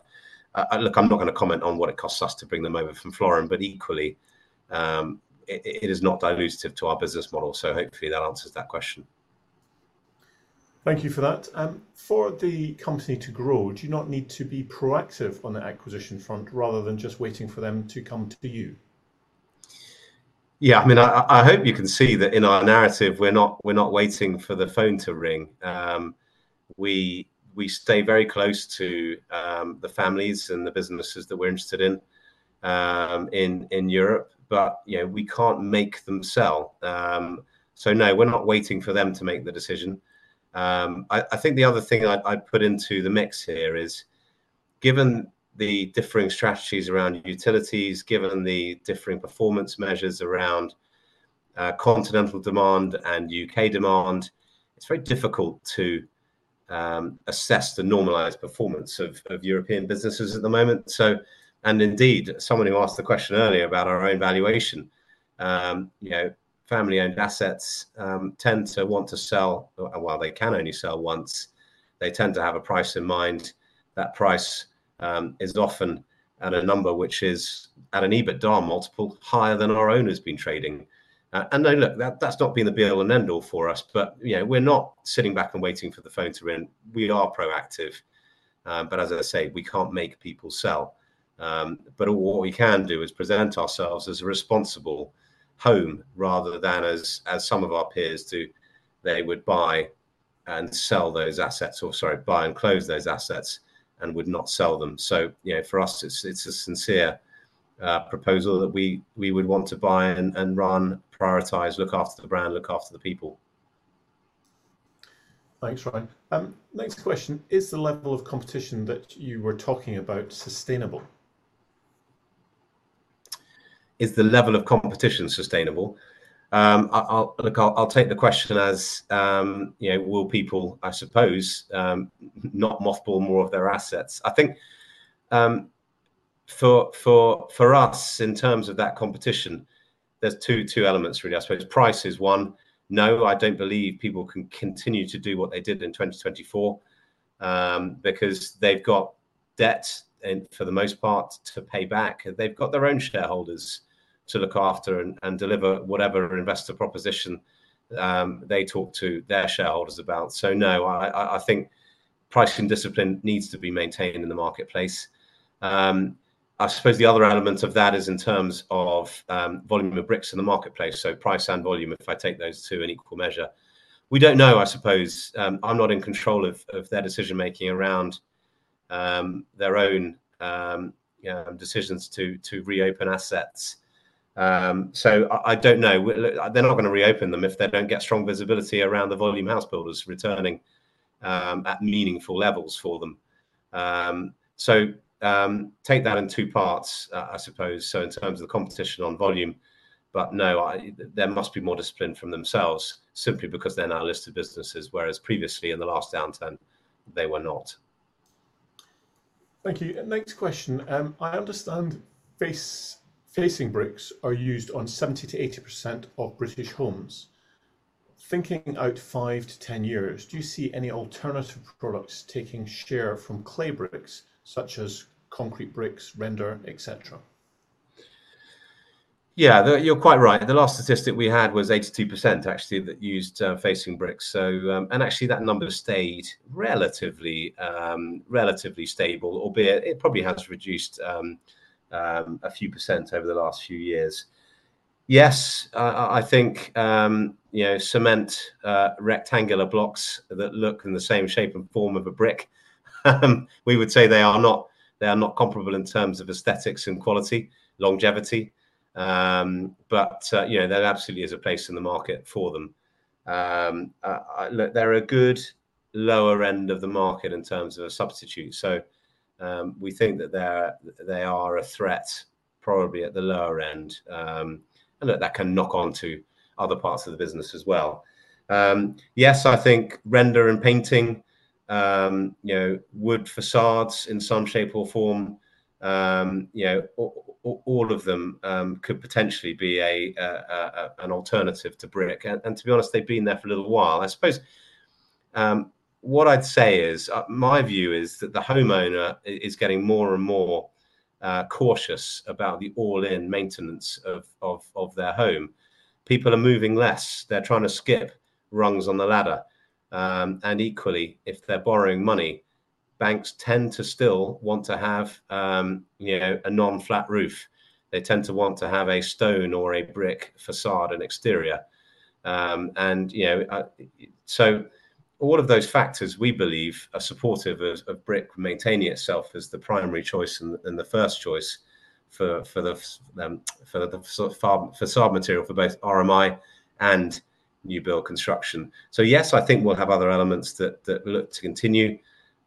S3: Look, I'm not going to comment on what it costs us to bring them over from Floren, but equally, it is not dilutive to our business model. Hopefully that answers that question.
S1: Thank you for that. For the company to grow, do you not need to be proactive on the acquisition front rather than just waiting for them to come to you?
S3: Yeah, I mean, I hope you can see that in our narrative, we're not waiting for the phone to ring. We stay very close to the families and the businesses that we're interested in in Europe, but we can't make them sell. No, we're not waiting for them to make the decision. I think the other thing I'd put into the mix here is, given the differing strategies around utilities, given the differing performance measures around continental demand and U.K. demand, it's very difficult to assess the normalized performance of European businesses at the moment. Indeed, someone who asked the question earlier about our own valuation, family-owned assets tend to want to sell, while they can only sell once, they tend to have a price in mind. That price is often at a number which is at an EBITDA multiple higher than our own has been trading. Look, that's not been the be-all and end-all for us, but we're not sitting back and waiting for the phone to ring. We are proactive. As I say, we can't make people sell. What we can do is present ourselves as a responsible home rather than as some of our peers do. They would buy and close those assets and would not sell them. For us, it's a sincere proposal that we would want to buy and run, prioritize, look after the brand, look after the people.
S1: Thanks, Ryan. Next question, is the level of competition that you were talking about sustainable?
S3: Is the level of competition sustainable? Look, I'll take the question as, will people, I suppose, not mothball more of their assets? I think for us, in terms of that competition, there's two elements, really, I suppose. Price is one. No, I do not believe people can continue to do what they did in 2024 because they have got debt for the most part to pay back. They have got their own shareholders to look after and deliver whatever investor proposition they talk to their shareholders about. No, I think price and discipline needs to be maintained in the marketplace. I suppose the other element of that is in terms of volume of bricks in the marketplace. Price and volume, if I take those two in equal measure. We do not know, I suppose. I am not in control of their decision-making around their own decisions to reopen assets. I do not know. They are not going to reopen them if they do not get strong visibility around the volume house builders returning at meaningful levels for them. Take that in two parts, I suppose. In terms of the competition on volume, there must be more discipline from themselves simply because they are now listed businesses, whereas previously in the last downturn, they were not.
S1: Thank you. Next question. I understand facing bricks are used on 70%-80% of British homes. Thinking out five to ten years, do you see any alternative products taking share from clay bricks, such as concrete bricks, render, etc.?
S3: Yeah, you are quite right. The last statistic we had was 82% actually that used facing bricks. And actually, that number stayed relatively stable, albeit it probably has reduced a few percent over the last few years. Yes, I think cement rectangular blocks that look in the same shape and form of a brick, we would say they are not comparable in terms of aesthetics and quality, longevity. There absolutely is a place in the market for them. They're a good lower end of the market in terms of a substitute. We think that they are a threat probably at the lower end. Look, that can knock onto other parts of the business as well. Yes, I think render and painting, wood facades in some shape or form, all of them could potentially be an alternative to brick. To be honest, they've been there for a little while. I suppose what I'd say is, my view is that the homeowner is getting more and more cautious about the all-in maintenance of their home. People are moving less. They're trying to skip rungs on the ladder. Equally, if they're borrowing money, banks tend to still want to have a non-flat roof. They tend to want to have a stone or a brick facade and exterior. All of those factors we believe are supportive of brick maintaining itself as the primary choice and the first choice for the facade material for both RMI and new build construction. Yes, I think we'll have other elements that look to continue,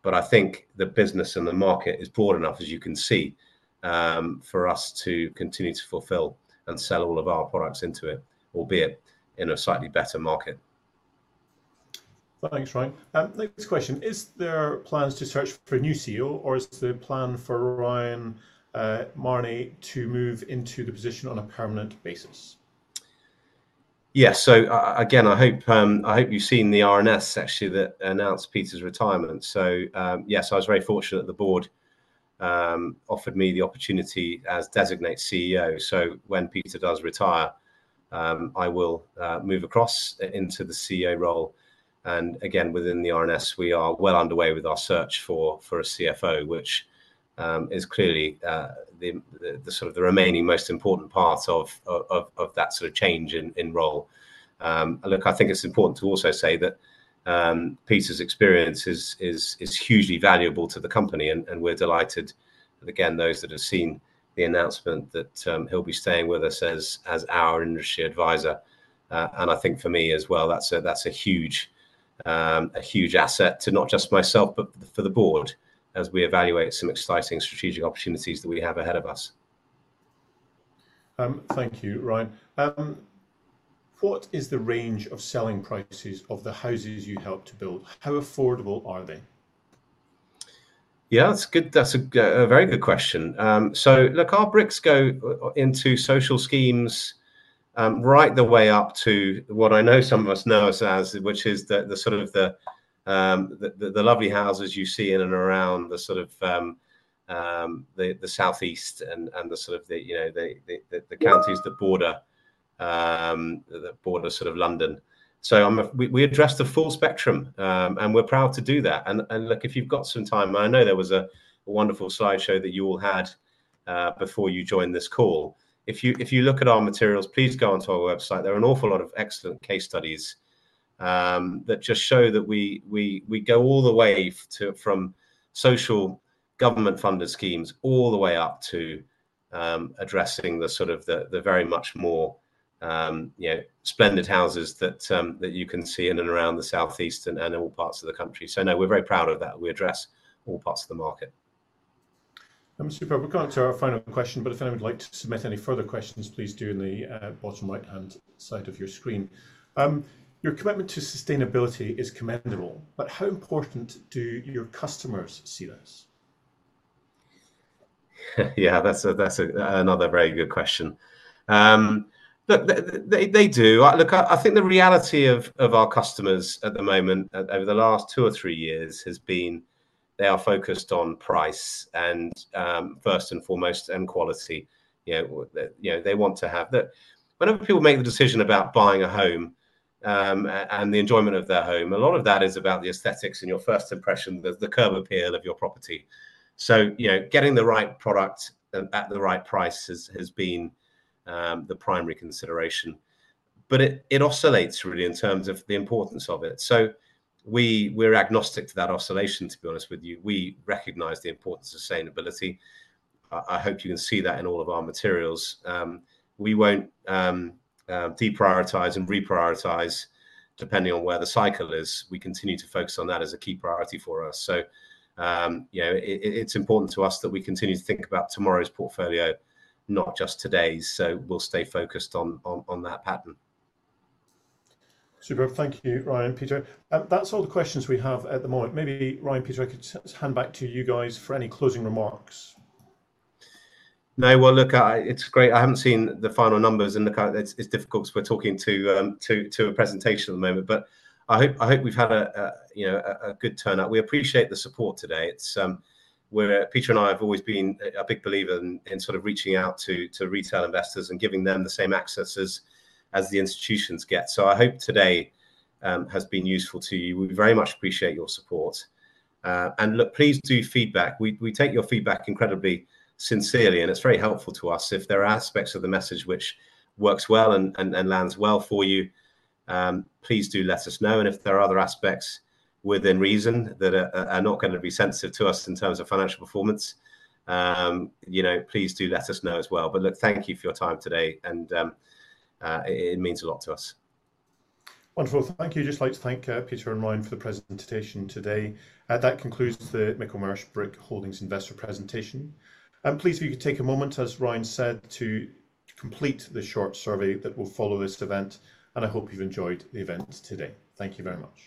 S3: but I think the business and the market is broad enough, as you can see, for us to continue to fulfill and sell all of our products into it, albeit in a slightly better market.
S1: Thanks, Ryan. Next question. Is there plans to search for a new CEO, or is there a plan for Ryan Mahoney to move into the position on a permanent basis?
S3: Yes. Again, I hope you've seen the RNS actually that announced Peter's retirement. Yes, I was very fortunate that the board offered me the opportunity as designate CEO. When Peter does retire, I will move across into the CEO role. Again, within the RNS, we are well underway with our search for a CFO, which is clearly the sort of remaining most important part of that sort of change in role. I think it's important to also say that Peter's experience is hugely valuable to the company. We're delighted, again, those that have seen the announcement that he'll be staying with us as our industry advisor. I think for me as well, that's a huge asset to not just myself, but for the board as we evaluate some exciting strategic opportunities that we have ahead of us.
S1: Thank you, Ryan. What is the range of selling prices of the houses you helped to build? How affordable are they?
S3: Yeah, that's a very good question. Look, our bricks go into social schemes right the way up to what I know some of us know as, which is the sort of the lovely houses you see in and around the sort of the southeast and the sort of the counties, the border, the border sort of London. We address the full spectrum, and we're proud to do that. Look, if you've got some time, I know there was a wonderful slideshow that you all had before you joined this call. If you look at our materials, please go onto our website. There are an awful lot of excellent case studies that just show that we go all the way from social government-funded schemes all the way up to addressing the sort of the very much more splendid houses that you can see in and around the southeast and all parts of the country. No, we're very proud of that. We address all parts of the market.
S1: Super. We'll go on to our final question, but if anyone would like to submit any further questions, please do in the bottom right-hand side of your screen. Your commitment to sustainability is commendable, but how important do your customers see this?
S3: Yeah, that's another very good question. Look, they do. Look, I think the reality of our customers at the moment over the last two or three years has been they are focused on price first and foremost, and quality. They want to have that. Whenever people make the decision about buying a home and the enjoyment of their home, a lot of that is about the aesthetics and your first impression, the curb appeal of your property. Getting the right product at the right price has been the primary consideration. It oscillates really in terms of the importance of it. We are agnostic to that oscillation, to be honest with you. We recognize the importance of sustainability. I hope you can see that in all of our materials. We will not deprioritize and reprioritize depending on where the cycle is. We continue to focus on that as a key priority for us. It is important to us that we continue to think about tomorrow's portfolio, not just today's. We will stay focused on that pattern.
S1: Super. Thank you, Ryan, Peter. That's all the questions we have at the moment. Maybe, Ryan, Peter, I could just hand back to you guys for any closing remarks.
S3: No, look, it's great. I haven't seen the final numbers and look, it's difficult because we're talking to a presentation at the moment, but I hope we've had a good turnout. We appreciate the support today. Peter and I have always been a big believer in sort of reaching out to retail investors and giving them the same access as the institutions get. I hope today has been useful to you. We very much appreciate your support. Look, please do feedback. We take your feedback incredibly sincerely, and it's very helpful to us. If there are aspects of the message which works well and lands well for you, please do let us know. If there are other aspects within reason that are not going to be sensitive to us in terms of financial performance, please do let us know as well. Thank you for your time today, and it means a lot to us.
S1: Wonderful. Thank you. I would just like to thank Peter and Ryan for the presentation today. That concludes the Michelmersh Brick Holdings investor presentation. Please, if you could take a moment, as Ryan said, to complete the short survey that will follow this event. I hope you have enjoyed the event today. Thank you very much.